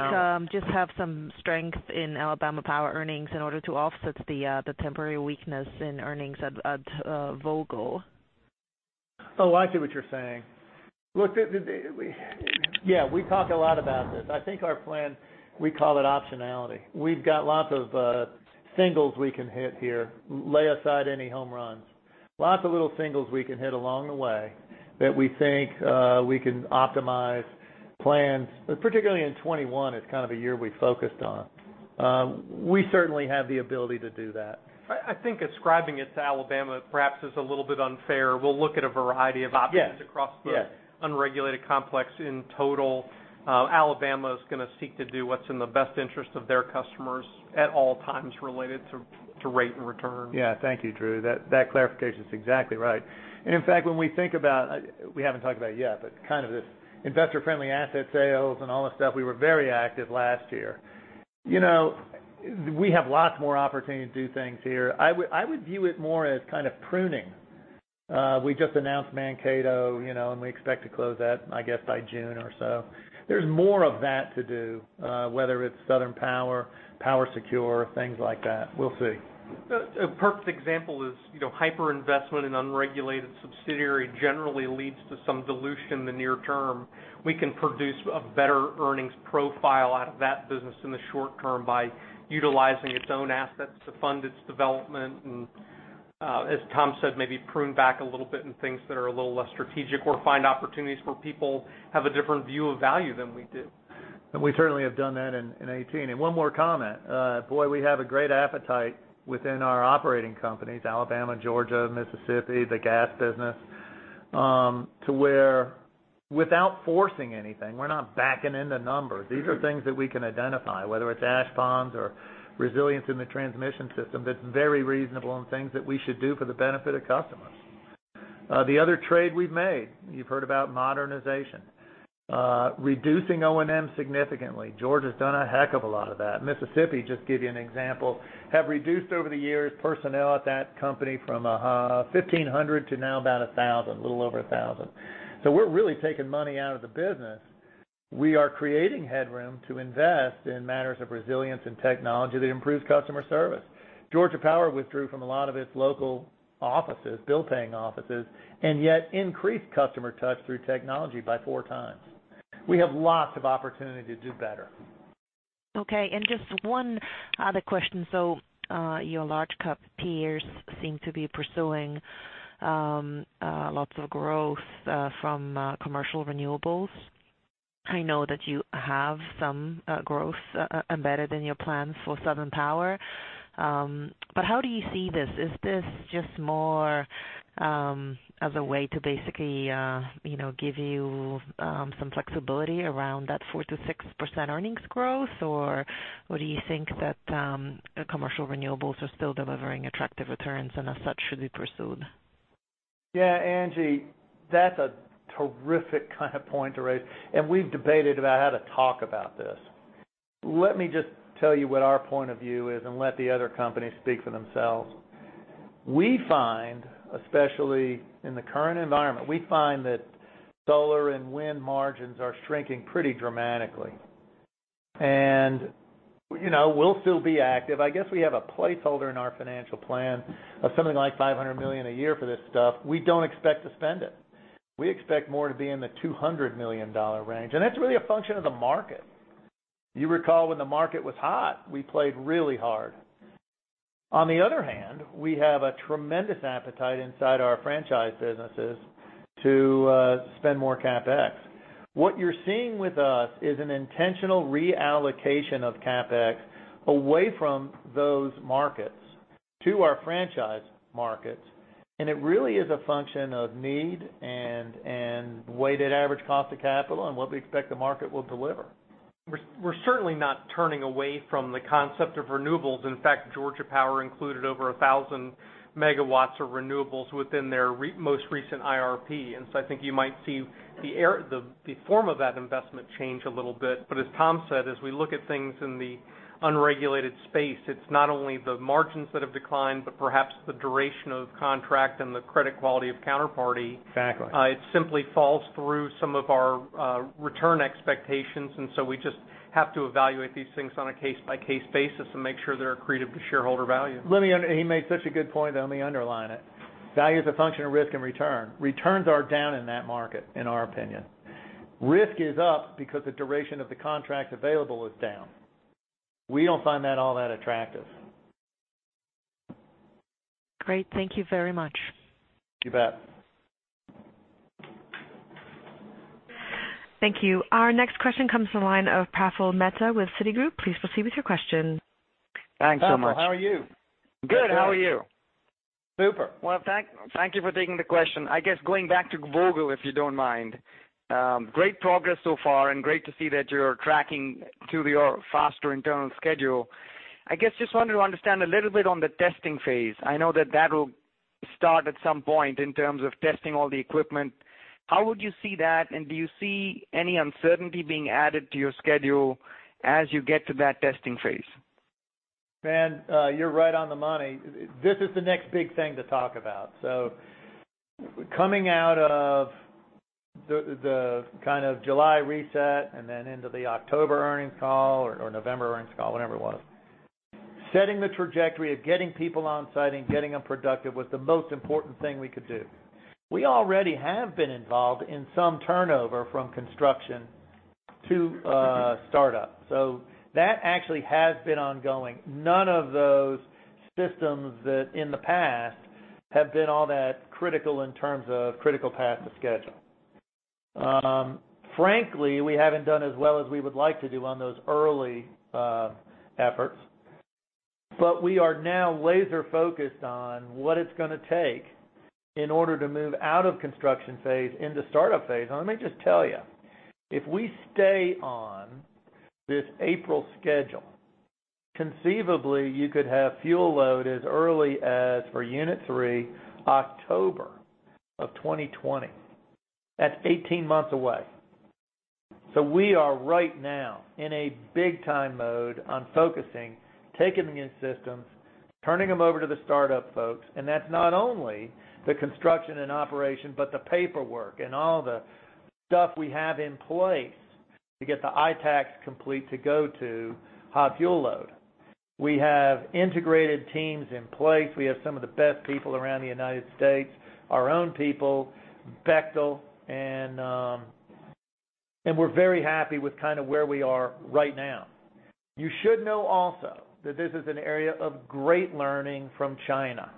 just have some strength in Alabama Power earnings in order to offset the temporary weakness in earnings at Vogtle. I see what you're saying. We talk a lot about this. I think our plan, we call it optionality. We've got lots of singles we can hit here. Lay aside any home runs. Lots of little singles we can hit along the way that we think we can optimize plans, particularly in 2021. It's kind of a year we focused on. We certainly have the ability to do that. I think ascribing it to Alabama perhaps is a little bit unfair. We'll look at a variety of options. Yes across the unregulated complex in total. Alabama is going to seek to do what's in the best interest of their customers at all times related to rate and return. Yeah. Thank you, Drew. That clarification is exactly right. In fact, when we think about, we haven't talked about it yet, but kind of this investor-friendly asset sales and all that stuff, we were very active last year. We have lots more opportunity to do things here. I would view it more as kind of pruning. We just announced Mankato, and we expect to close that, I guess, by June or so. There's more of that to do, whether it's Southern Power, PowerSecure, things like that. We'll see. A perfect example is hyper investment in unregulated subsidiary generally leads to some dilution in the near term. We can produce a better earnings profile out of that business in the short term by utilizing its own assets to fund its development, as Tom said, maybe prune back a little bit in things that are a little less strategic or find opportunities where people have a different view of value than we do. We certainly have done that in 2018. One more comment. Boy, we have a great appetite within our operating companies, Alabama, Georgia, Mississippi, the gas business, to where without forcing anything, we're not backing into numbers. These are things that we can identify, whether it's ash ponds or resilience in the transmission system, that's very reasonable and things that we should do for the benefit of customers. The other trade we've made, you've heard about modernization. Reducing O&M significantly. Georgia has done a heck of a lot of that. Mississippi, just to give you an example, have reduced over the years personnel at that company from 1,500 to now about 1,000, a little over 1,000. We're really taking money out of the business. We are creating headroom to invest in matters of resilience and technology that improves customer service. Georgia Power withdrew from a lot of its local offices, bill paying offices, and yet increased customer touch through technology by four times. We have lots of opportunity to do better. Okay, just one other question. Your large cap peers seem to be pursuing lots of growth from commercial renewables. I know that you have some growth embedded in your plans for Southern Power. How do you see this? Is this just more as a way to basically give you some flexibility around that 4%-6% earnings growth? Do you think that commercial renewables are still delivering attractive returns and as such should be pursued? Yeah, Angie, that's a terrific kind of point to raise. We've debated about how to talk about this. Let me just tell you what our point of view is and let the other companies speak for themselves. We find, especially in the current environment, we find that solar and wind margins are shrinking pretty dramatically. We'll still be active. I guess we have a placeholder in our financial plan of something like $500 million a year for this stuff. We don't expect to spend it. We expect more to be in the $200 million range, and that's really a function of the market. You recall when the market was hot, we played really hard. On the other hand, we have a tremendous appetite inside our franchise businesses to spend more CapEx. What you're seeing with us is an intentional reallocation of CapEx away from those markets to our franchise markets, it really is a function of need and weighted average cost of capital and what we expect the market will deliver. We're certainly not turning away from the concept of renewables. In fact, Georgia Power included over 1,000 megawatts of renewables within their most recent IRP. I think you might see the form of that investment change a little bit. As Tom said, as we look at things in the unregulated space, it's not only the margins that have declined, but perhaps the duration of contract and the credit quality of counterparty. Exactly. It simply falls through some of our return expectations, we just have to evaluate these things on a case-by-case basis and make sure they're accretive to shareholder value. He made such a good point, let me underline it. Value is a function of risk and return. Returns are down in that market, in our opinion. Risk is up because the duration of the contract available is down. We don't find that all that attractive. Great. Thank you very much. You bet. Thank you. Our next question comes from the line of Praful Mehta with Citigroup. Please proceed with your question. Thanks so much. Praful, how are you? Good, how are you? Super. Well, thank you for taking the question. I guess going back to Vogtle, if you don't mind. Great progress so far and great to see that you're tracking to your faster internal schedule. I guess just wanted to understand a little bit on the testing phase. I know that that will start at some point in terms of testing all the equipment. How would you see that, and do you see any uncertainty being added to your schedule as you get to that testing phase? Man, you're right on the money. This is the next big thing to talk about. Coming out of the July reset and then into the October earnings call or November earnings call, whatever it was, setting the trajectory of getting people on site and getting them productive was the most important thing we could do. We already have been involved in some turnover from construction to startup. That actually has been ongoing. None of those systems that in the past have been all that critical in terms of critical path to schedule. Frankly, we haven't done as well as we would like to do on those early efforts. We are now laser-focused on what it's going to take in order to move out of construction phase into startup phase. Let me just tell you, if we stay on this April schedule, conceivably, you could have fuel load as early as for unit 3, October of 2020. That's 18 months away. We are right now in a big-time mode on focusing, taking these systems, turning them over to the startup folks, and that's not only the construction and operation, but the paperwork and all the stuff we have in place to get the ITAACs complete to go to high fuel load. We have integrated teams in place. We have some of the best people around the U.S., our own people, Bechtel, and we're very happy with where we are right now. You should know also that this is an area of great learning from China.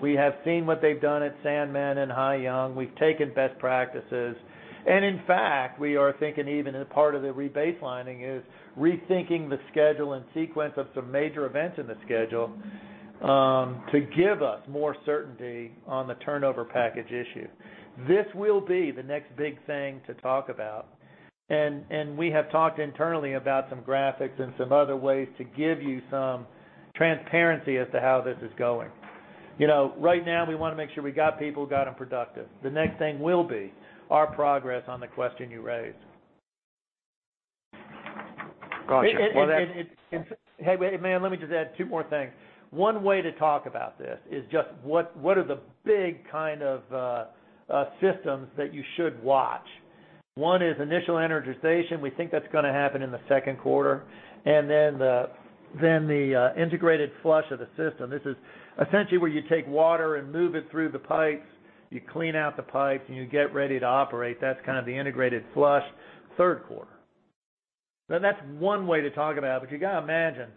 We have seen what they've done at Sanmen and Haiyang. In fact, we are thinking even as part of the rebaselining is rethinking the schedule and sequence of some major events in the schedule to give us more certainty on the turnover package issue. This will be the next big thing to talk about. We have talked internally about some graphics and some other ways to give you some transparency as to how this is going. Right now, we want to make sure we got people, got them productive. The next thing will be our progress on the question you raised. Got you. Hey, man, let me just add two more things. One way to talk about this is just what are the big kind of systems that you should watch? One is initial energization. We think that's going to happen in the second quarter. Then the integrated flush of the system. This is essentially where you take water and move it through the pipes, you clean out the pipes, and you get ready to operate. That's kind of the integrated flush, third quarter. That's one way to talk about it. You got to imagine,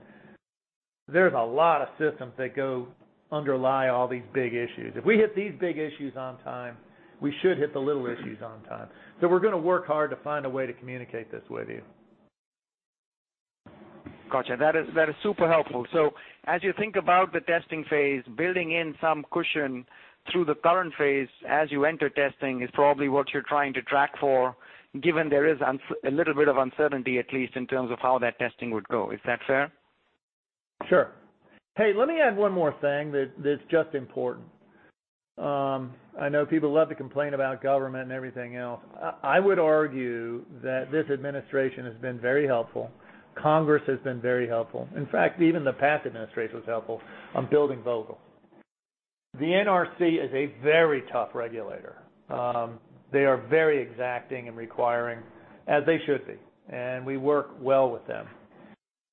there's a lot of systems that go underlie all these big issues. If we hit these big issues on time, we should hit the little issues on time. We're going to work hard to find a way to communicate this with you. Got you. That is super helpful. As you think about the testing phase, building in some cushion through the current phase as you enter testing is probably what you're trying to track for, given there is a little bit of uncertainty, at least, in terms of how that testing would go. Is that fair? Sure. Hey, let me add one more thing that's just important. I know people love to complain about government and everything else. I would argue that this administration has been very helpful. Congress has been very helpful. In fact, even the past administration was helpful on building Vogtle. The NRC is a very tough regulator. They are very exacting and requiring as they should be, and we work well with them.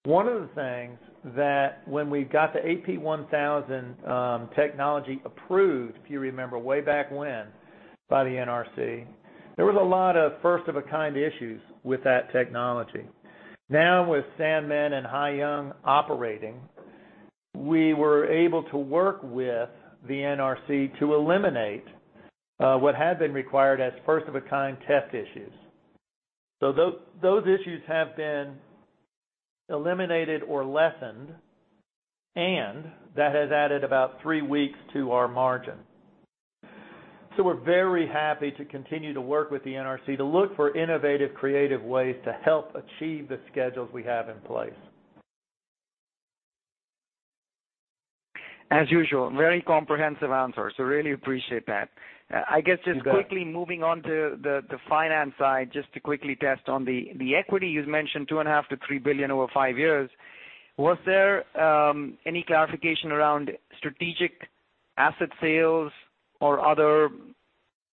One of the things that when we got the AP1000 technology approved, if you remember way back when by the NRC, there was a lot of first-of-a-kind issues with that technology. Now, with Sanmen and Haiyang operating, we were able to work with the NRC to eliminate what had been required as first-of-a-kind test issues. Those issues have been eliminated or lessened, and that has added about three weeks to our margin. We're very happy to continue to work with the NRC to look for innovative, creative ways to help achieve the schedules we have in place. As usual, very comprehensive answers, so really appreciate that. You bet. I guess just quickly moving on to the finance side, just to quickly test on the equity you've mentioned, $2.5 billion-$3 billion over five years. Was there any clarification around strategic asset sales or other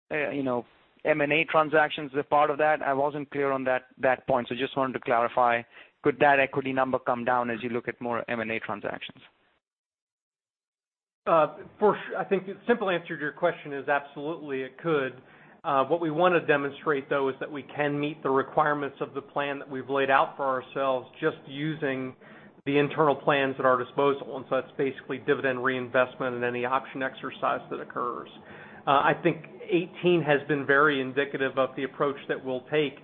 M&A transactions as a part of that? I wasn't clear on that point, just wanted to clarify, could that equity number come down as you look at more M&A transactions? For sure. I think the simple answer to your question is absolutely it could. What we want to demonstrate, though, is that we can meet the requirements of the plan that we've laid out for ourselves just using the internal plans at our disposal, that's basically dividend reinvestment and any option exercise that occurs. I think 2018 has been very indicative of the approach that we'll take,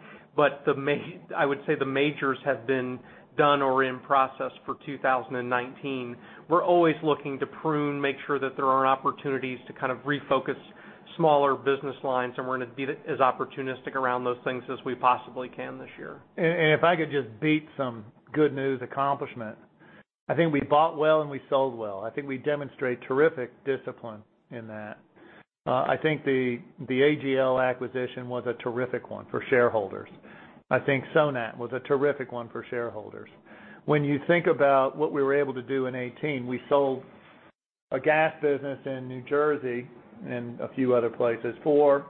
I would say the majors have been done or in process for 2019. We're always looking to prune, make sure that there are opportunities to kind of refocus smaller business lines, we're going to be as opportunistic around those things as we possibly can this year. If I could just beat some good news accomplishment. I think we bought well and we sold well. I think we demonstrate terrific discipline in that. I think the AGL acquisition was a terrific one for shareholders. I think Sonat was a terrific one for shareholders. When you think about what we were able to do in 2018, we sold a gas business in New Jersey and a few other places for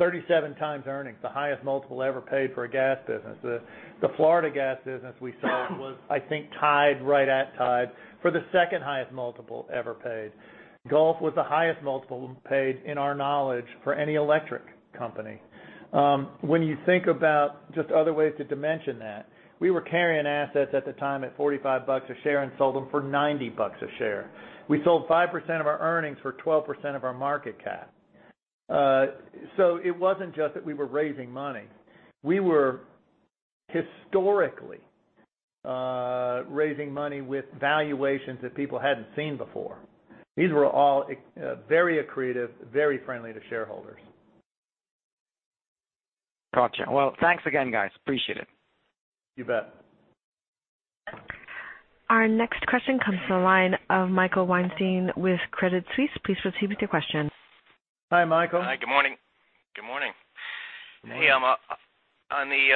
37 times earnings, the highest multiple ever paid for a gas business. The Florida gas business we sold was, I think, tied, right at tied, for the second highest multiple ever paid. Gulf was the highest multiple paid, in our knowledge, for any electric company. When you think about just other ways to dimension that, we were carrying assets at the time at $45 a share and sold them for $90 a share. We sold 5% of our earnings for 12% of our market cap. It wasn't just that we were raising money. We were historically raising money with valuations that people hadn't seen before. These were all very accretive, very friendly to shareholders. Got you. Well, thanks again, guys. Appreciate it. You bet. Our next question comes to the line of Michael Weinstein with Credit Suisse. Please proceed with your question. Hi, Michael. Hi, good morning. Good morning. Good morning. Hey,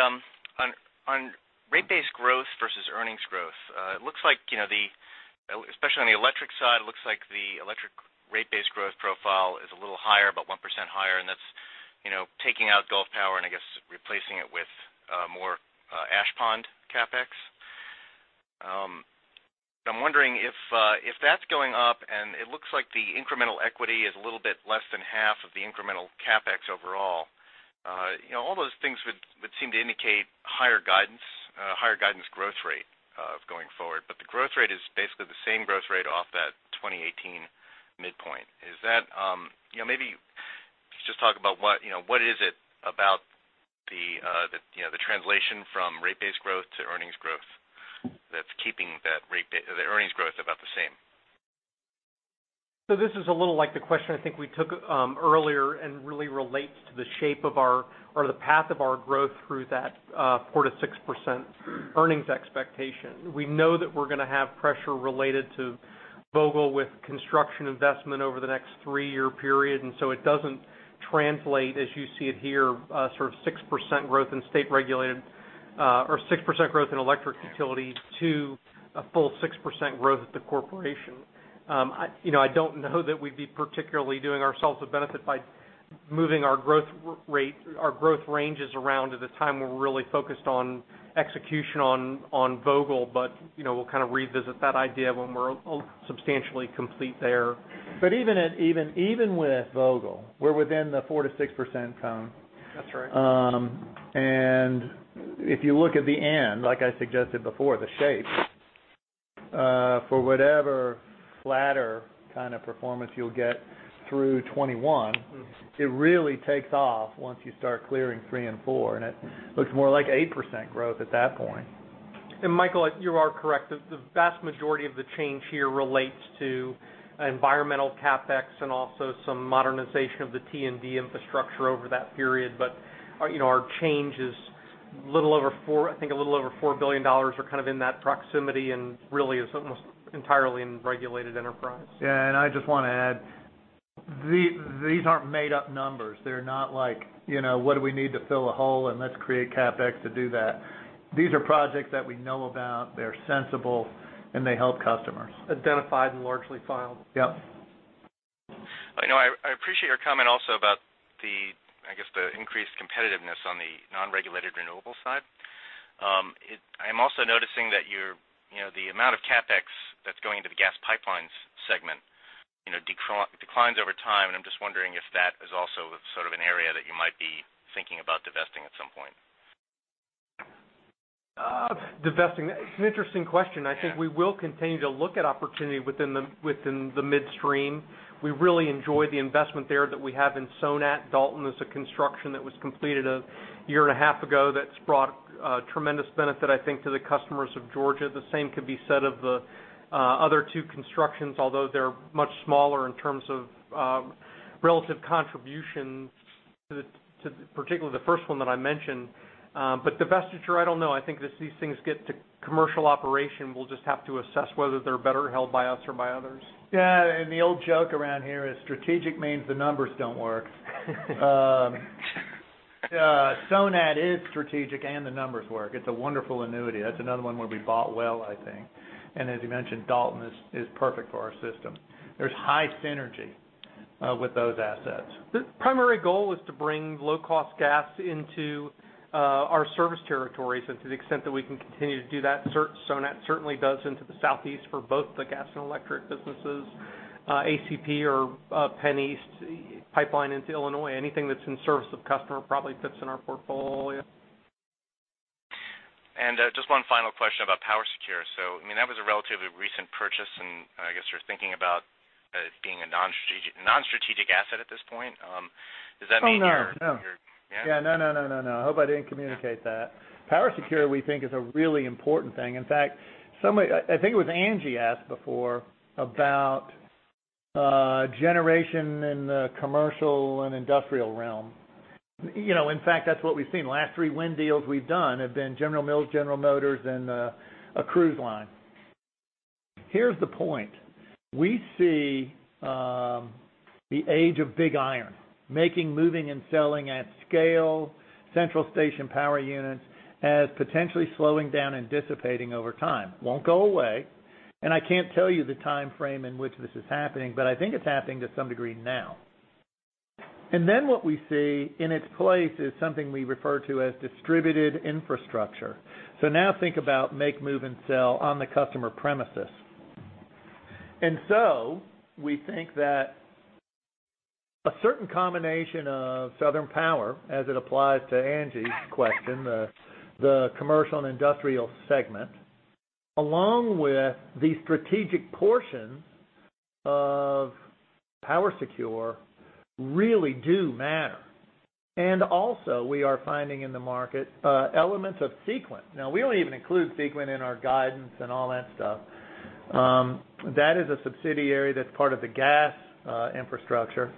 on rate-based growth versus earnings growth, it looks like, especially on the electric side, it looks like the electric rate-based growth profile is a little higher, about 1% higher, and that's taking out Gulf Power and I guess replacing it with more ash pond CapEx. I'm wondering if that's going up and it looks like the incremental equity is a little bit less than half of the incremental CapEx overall. All those things would seem to indicate higher guidance growth rate going forward. The growth rate is basically the same growth rate off that 2018 midpoint. Maybe just talk about what is it about the translation from rate-based growth to earnings growth that's keeping that earnings growth about the same? This is a little like the question I think we took earlier and really relates to the shape of our, or the path of our growth through that 4%-6% earnings expectation. We know that we're going to have pressure related to Vogtle with construction investment over the next three-year period. It doesn't translate, as you see it here, sort of 6% growth in state-regulated or 6% growth in electric utility to a full 6% growth at the corporation. I don't know that we'd be particularly doing ourselves a benefit by moving our growth ranges around at a time when we're really focused on execution on Vogtle, but we'll kind of revisit that idea when we're substantially complete there. Even with Vogtle, we're within the 4%-6% cone. That's right. If you look at the end, like I suggested before, the shape for whatever flatter kind of performance you'll get through 2021, it really takes off once you start clearing three and four, and it looks more like 8% growth at that point. Michael, you are correct. The vast majority of the change here relates to environmental CapEx and also some modernization of the T&D infrastructure over that period. Our change is a little over, I think a little over $4 billion or kind of in that proximity, and really is almost entirely in regulated enterprise. I just want to add, these aren't made-up numbers. They're not, what do we need to fill a hole and let's create CapEx to do that. These are projects that we know about. They're sensible, and they help customers. Identified and largely filed. Yep. I appreciate your comment also about the increased competitiveness on the non-regulated renewable side. I'm also noticing that the amount of CapEx that's going into the gas pipelines segment declines over time, I'm just wondering if that is also sort of an area that you might be thinking about divesting at some point. Divesting. It's an interesting question. I think we will continue to look at opportunity within the midstream. We really enjoy the investment there that we have in Sonat. Dalton is a construction that was completed a year and a half ago that's brought tremendous benefit, I think, to the customers of Georgia. The same could be said of the other two constructions, although they're much smaller in terms of relative contributions to particularly the first one that I mentioned. Divestiture, I don't know. I think as these things get to commercial operation, we'll just have to assess whether they're better held by us or by others. Yeah, the old joke around here is strategic means the numbers don't work. Sonat is strategic, the numbers work. It's a wonderful annuity. That's another one where we bought well, I think. As you mentioned, Dalton is perfect for our system. There's high synergy with those assets. The primary goal is to bring low-cost gas into our service territories to the extent that we can continue to do that. Sonat certainly does into the Southeast for both the gas and electric businesses. ACP or PennEast Pipeline into Illinois. Anything that's in service of customer probably fits in our portfolio. Just one final question about PowerSecure. That was a relatively recent purchase, and I guess you're thinking about it being a non-strategic asset at this point. Does that mean you're Oh, no. No. Yeah? Yeah. No, I hope I didn't communicate that. PowerSecure, we think, is a really important thing. In fact, I think it was Angie asked before about generation in the commercial and industrial realm. In fact, that's what we've seen. Last three wind deals we've done have been General Mills, General Motors, and a cruise line. Here's the point. We see the age of big iron, making, moving, and selling at scale central station power units as potentially slowing down and dissipating over time. Won't go away, and I can't tell you the timeframe in which this is happening, but I think it's happening to some degree now. What we see in its place is something we refer to as distributed infrastructure. Now think about make, move, and sell on the customer premises. We think that a certain combination of Southern Power, as it applies to Angie's question, the commercial and industrial segment, along with the strategic portion of PowerSecure, really do matter. Also, we are finding in the market elements of Sequent. We don't even include Sequent in our guidance and all that stuff. That is a subsidiary that's part of the gas infrastructure.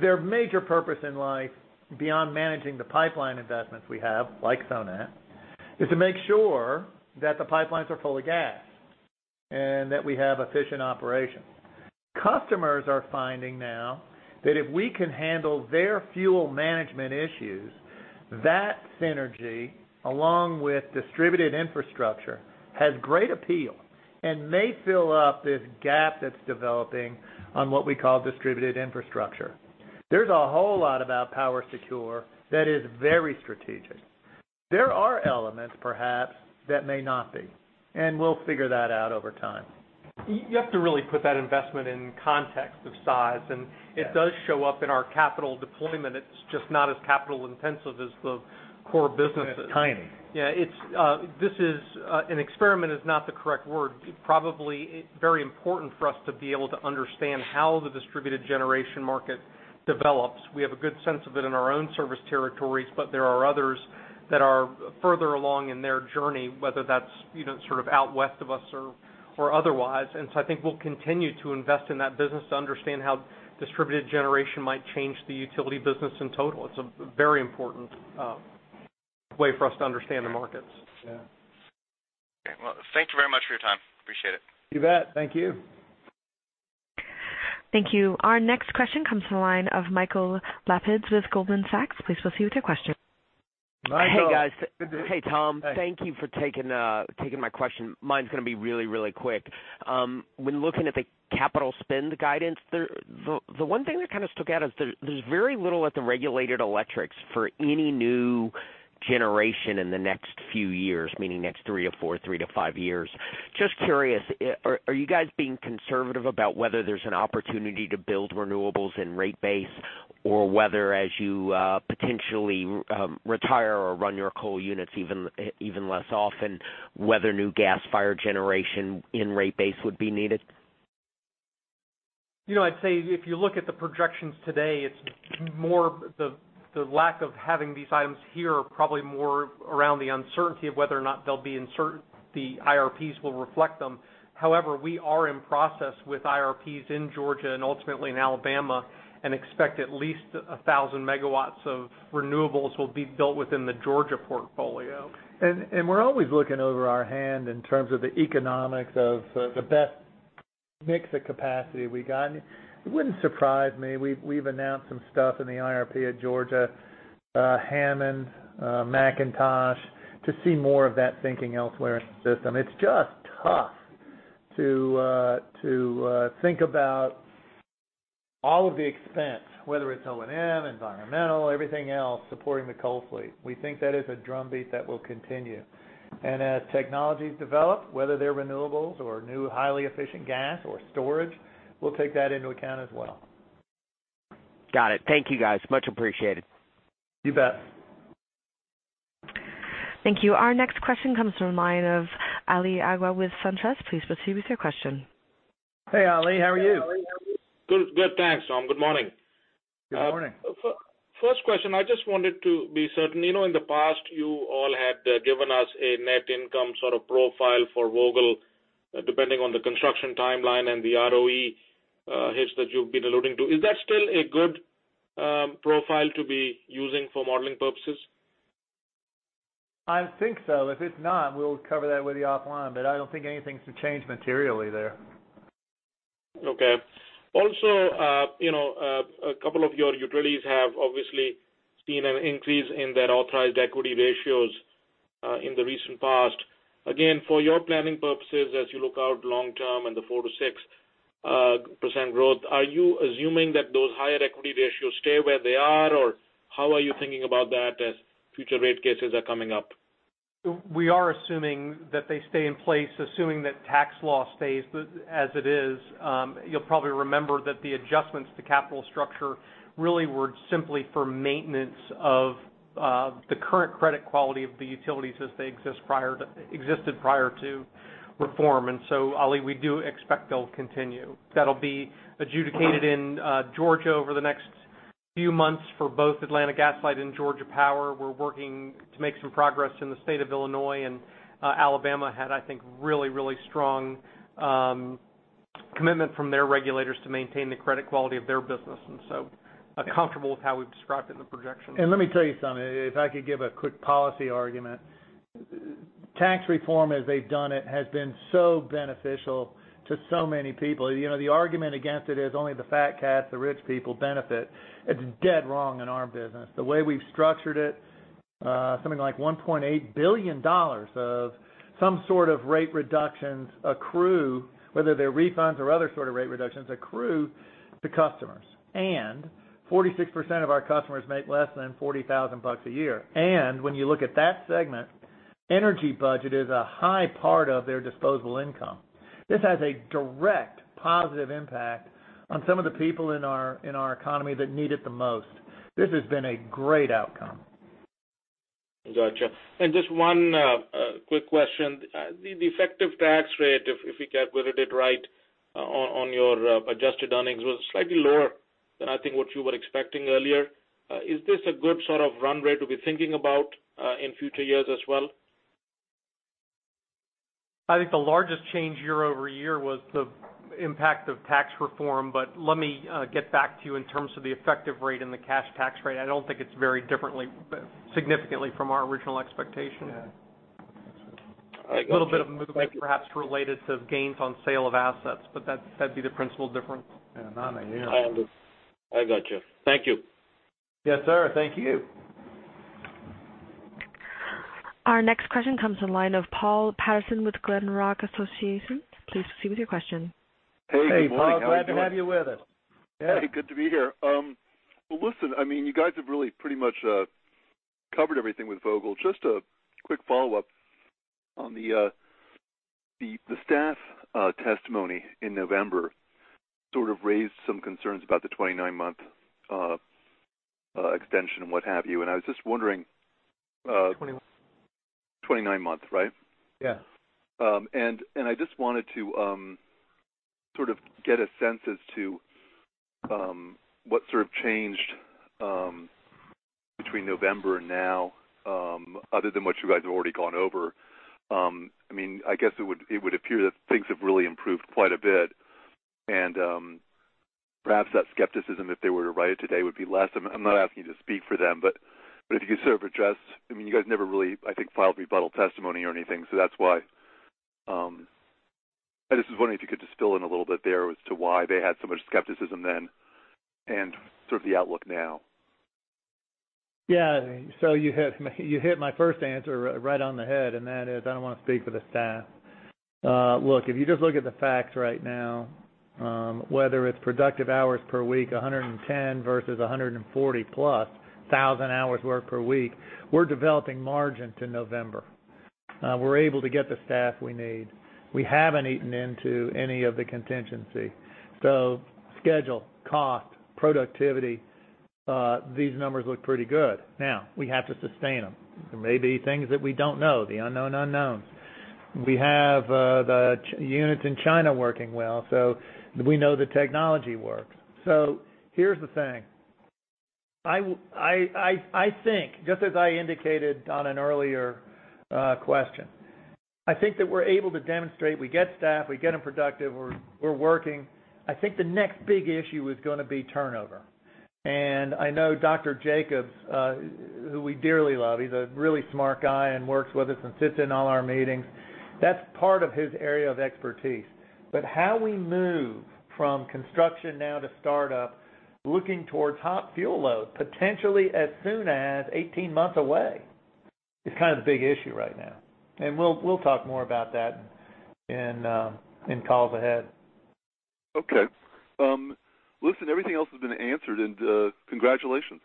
Their major purpose in life, beyond managing the pipeline investments we have, like Sonat, is to make sure that the pipelines are full of gas, and that we have efficient operations. Customers are finding now that if we can handle their fuel management issues, that synergy, along with distributed infrastructure, has great appeal, and may fill up this gap that's developing on what we call distributed infrastructure. There's a whole lot about PowerSecure that is very strategic. There are elements perhaps that may not be, and we'll figure that out over time. You have to really put that investment in context of size. Yes. It does show up in our capital deployment. It's just not as capital-intensive as the core businesses. It's tiny. Yeah. An experiment is not the correct word. Probably very important for us to be able to understand how the distributed generation market develops. We have a good sense of it in our own service territories, but there are others that are further along in their journey, whether that's sort of out west of us or otherwise. I think we'll continue to invest in that business to understand how distributed generation might change the utility business in total. It's a very important way for us to understand the markets. Yeah. Okay. Well, thank you very much for your time. Appreciate it. You bet. Thank you. Thank you. Our next question comes from the line of Michael Lapides with Goldman Sachs. Please proceed with your question. Michael. Hey, guys. Good to-- Hey, Tom. Hey. Thank you for taking my question. Mine's going to be really, really quick. When looking at the capital spend guidance there, the one thing that kind of stuck out is there's very little at the regulated electrics for any new generation in the next few years, meaning next three or four, three to five years. Just curious, are you guys being conservative about whether there's an opportunity to build renewables in rate base? Or whether as you potentially retire or run your coal units even less often, whether new gas fire generation in rate base would be needed? I'd say if you look at the projections today, it's more the lack of having these items here are probably more around the uncertainty of whether or not the IRPs will reflect them. However, we are in process with IRPs in Georgia and ultimately in Alabama, and expect at least 1,000 MW of renewables will be built within the Georgia portfolio. We're always looking over our hand in terms of the economics of the best mix of capacity we got. It wouldn't surprise me, we've announced some stuff in the IRP at Georgia, Hammond, McIntosh, to see more of that thinking elsewhere in the system. It's just tough to think about all of the expense, whether it's O&M, environmental, everything else supporting the coal fleet. We think that is a drumbeat that will continue. As technologies develop, whether they're renewables or new highly efficient gas or storage, we'll take that into account as well. Got it. Thank you, guys. Much appreciated. You bet. Thank you. Our next question comes from the line of Ali Agha with SunTrust. Please proceed with your question. Hey, Ali, how are you? Good, thanks, Tom. Good morning. Good morning. First question, I just wanted to be certain. In the past, you all had given us a net income sort of profile for Vogtle, depending on the construction timeline and the ROE hits that you've been alluding to. Is that still a good profile to be using for modeling purposes? I think so. If it's not, we'll cover that with you offline. I don't think anything's changed materially there. Okay. Also, a couple of your utilities have obviously seen an increase in their authorized equity ratios in the recent past. Again, for your planning purposes as you look out long term in the 4%-6% growth, are you assuming that those higher equity ratios stay where they are? How are you thinking about that as future rate cases are coming up? We are assuming that they stay in place, assuming that tax law stays as it is. You'll probably remember that the adjustments to capital structure really were simply for maintenance of the current credit quality of the utilities as they existed prior to reform. Ali, we do expect they'll continue. That'll be adjudicated in Georgia over the next few months for both Atlanta Gas Light and Georgia Power. We're working to make some progress in the State of Illinois. Alabama had, I think, really strong commitment from their regulators to maintain the credit quality of their business, comfortable with how we've described it in the projections. Let me tell you something, if I could give a quick policy argument. Tax reform as they've done it has been so beneficial to so many people. The argument against it is only the fat cats, the rich people benefit. It's dead wrong in our business. The way we've structured it, something like $1.8 billion of some sort of rate reductions accrue, whether they're refunds or other sort of rate reductions, accrue to customers. 46% of our customers make less than 40,000 bucks a year. When you look at that segment, energy budget is a high part of their disposable income. This has a direct positive impact on some of the people in our economy that need it the most. This has been a great outcome. Gotcha. Just one quick question. The effective tax rate, if we calculated it right on your adjusted earnings, was slightly lower than I think what you were expecting earlier. Is this a good sort of run rate to be thinking about in future years as well? I think the largest change year-over-year was the impact of tax reform. Let me get back to you in terms of the effective rate and the cash tax rate. I don't think it's very differently, significantly from our original expectation. Yeah. Thanks. A little bit of movement perhaps related to gains on sale of assets, but that'd be the principal difference. Yeah. I understand. I got you. Thank you. Yes, sir. Thank you. Our next question comes to the line of Paul Patterson with Glenrock Associates. Please proceed with your question. Hey, Paul. Glad to have you with us. Yeah. Hey, good to be here. Well, listen, you guys have really pretty much covered everything with Vogtle. Just a quick follow-up on the staff testimony in November sort of raised some concerns about the 29 month extension and what have you. 20 what? 29 month, right? Yeah. I just wanted to sort of get a sense as to what sort of changed between November and now other than what you guys have already gone over. I guess it would appear that things have really improved quite a bit and perhaps that skepticism, if they were to write it today, would be less. I'm not asking you to speak for them, but if you could sort of address You guys never really, I think, filed rebuttal testimony or anything, so that's why. I just was wondering if you could just fill in a little bit there as to why they had so much skepticism then and sort of the outlook now. Yeah. You hit my first answer right on the head, and that is, I don't want to speak for the staff. Look, if you just look at the facts right now, whether it's productive hours per week, 110 versus 140+ thousand hours worked per week, we're developing margin to November. We're able to get the staff we need. We haven't eaten into any of the contingency. Schedule, cost, productivity these numbers look pretty good. Now, we have to sustain them. There may be things that we don't know, the unknown unknowns. We have the units in China working well, so we know the technology works. Here's the thing. I think, just as I indicated on an earlier question, I think that we're able to demonstrate we get staff, we get them productive, we're working. I think the next big issue is going to be turnover. I know Dr. Jacobs who we dearly love. He's a really smart guy and works with us and sits in all our meetings. That's part of his area of expertise. How we move from construction now to startup, looking towards hot fuel loads, potentially as soon as 18 months away, is kind of the big issue right now. We'll talk more about that in calls ahead. Okay. Listen, everything else has been answered, and congratulations.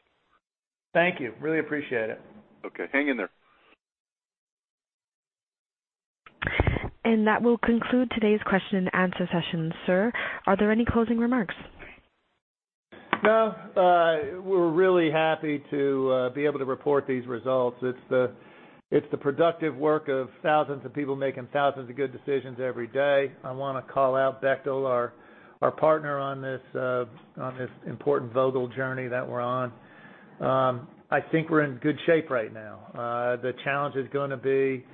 Thank you. Really appreciate it. Okay. Hang in there. That will conclude today's question and answer session. Sir, are there any closing remarks? No. We're really happy to be able to report these results. It's the productive work of thousands of people making thousands of good decisions every day. I want to call out Bechtel, our partner on this important Vogtle journey that we're on. I think we're in good shape right now. The challenge is going to be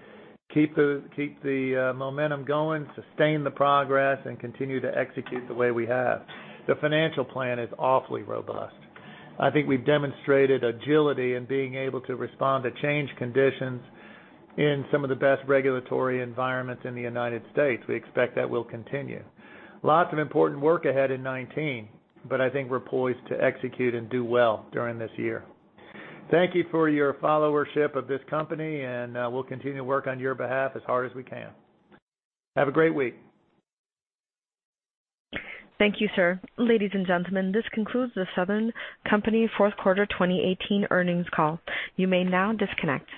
keep the momentum going, sustain the progress, and continue to execute the way we have. The financial plan is awfully robust. I think we've demonstrated agility in being able to respond to change conditions in some of the best regulatory environments in the United States. We expect that will continue. Lots of important work ahead in 2019, but I think we're poised to execute and do well during this year. Thank you for your followership of this company, and we'll continue to work on your behalf as hard as we can. Have a great week. Thank you, sir. Ladies and gentlemen, this concludes the Southern Company fourth quarter 2018 earnings call. You may now disconnect.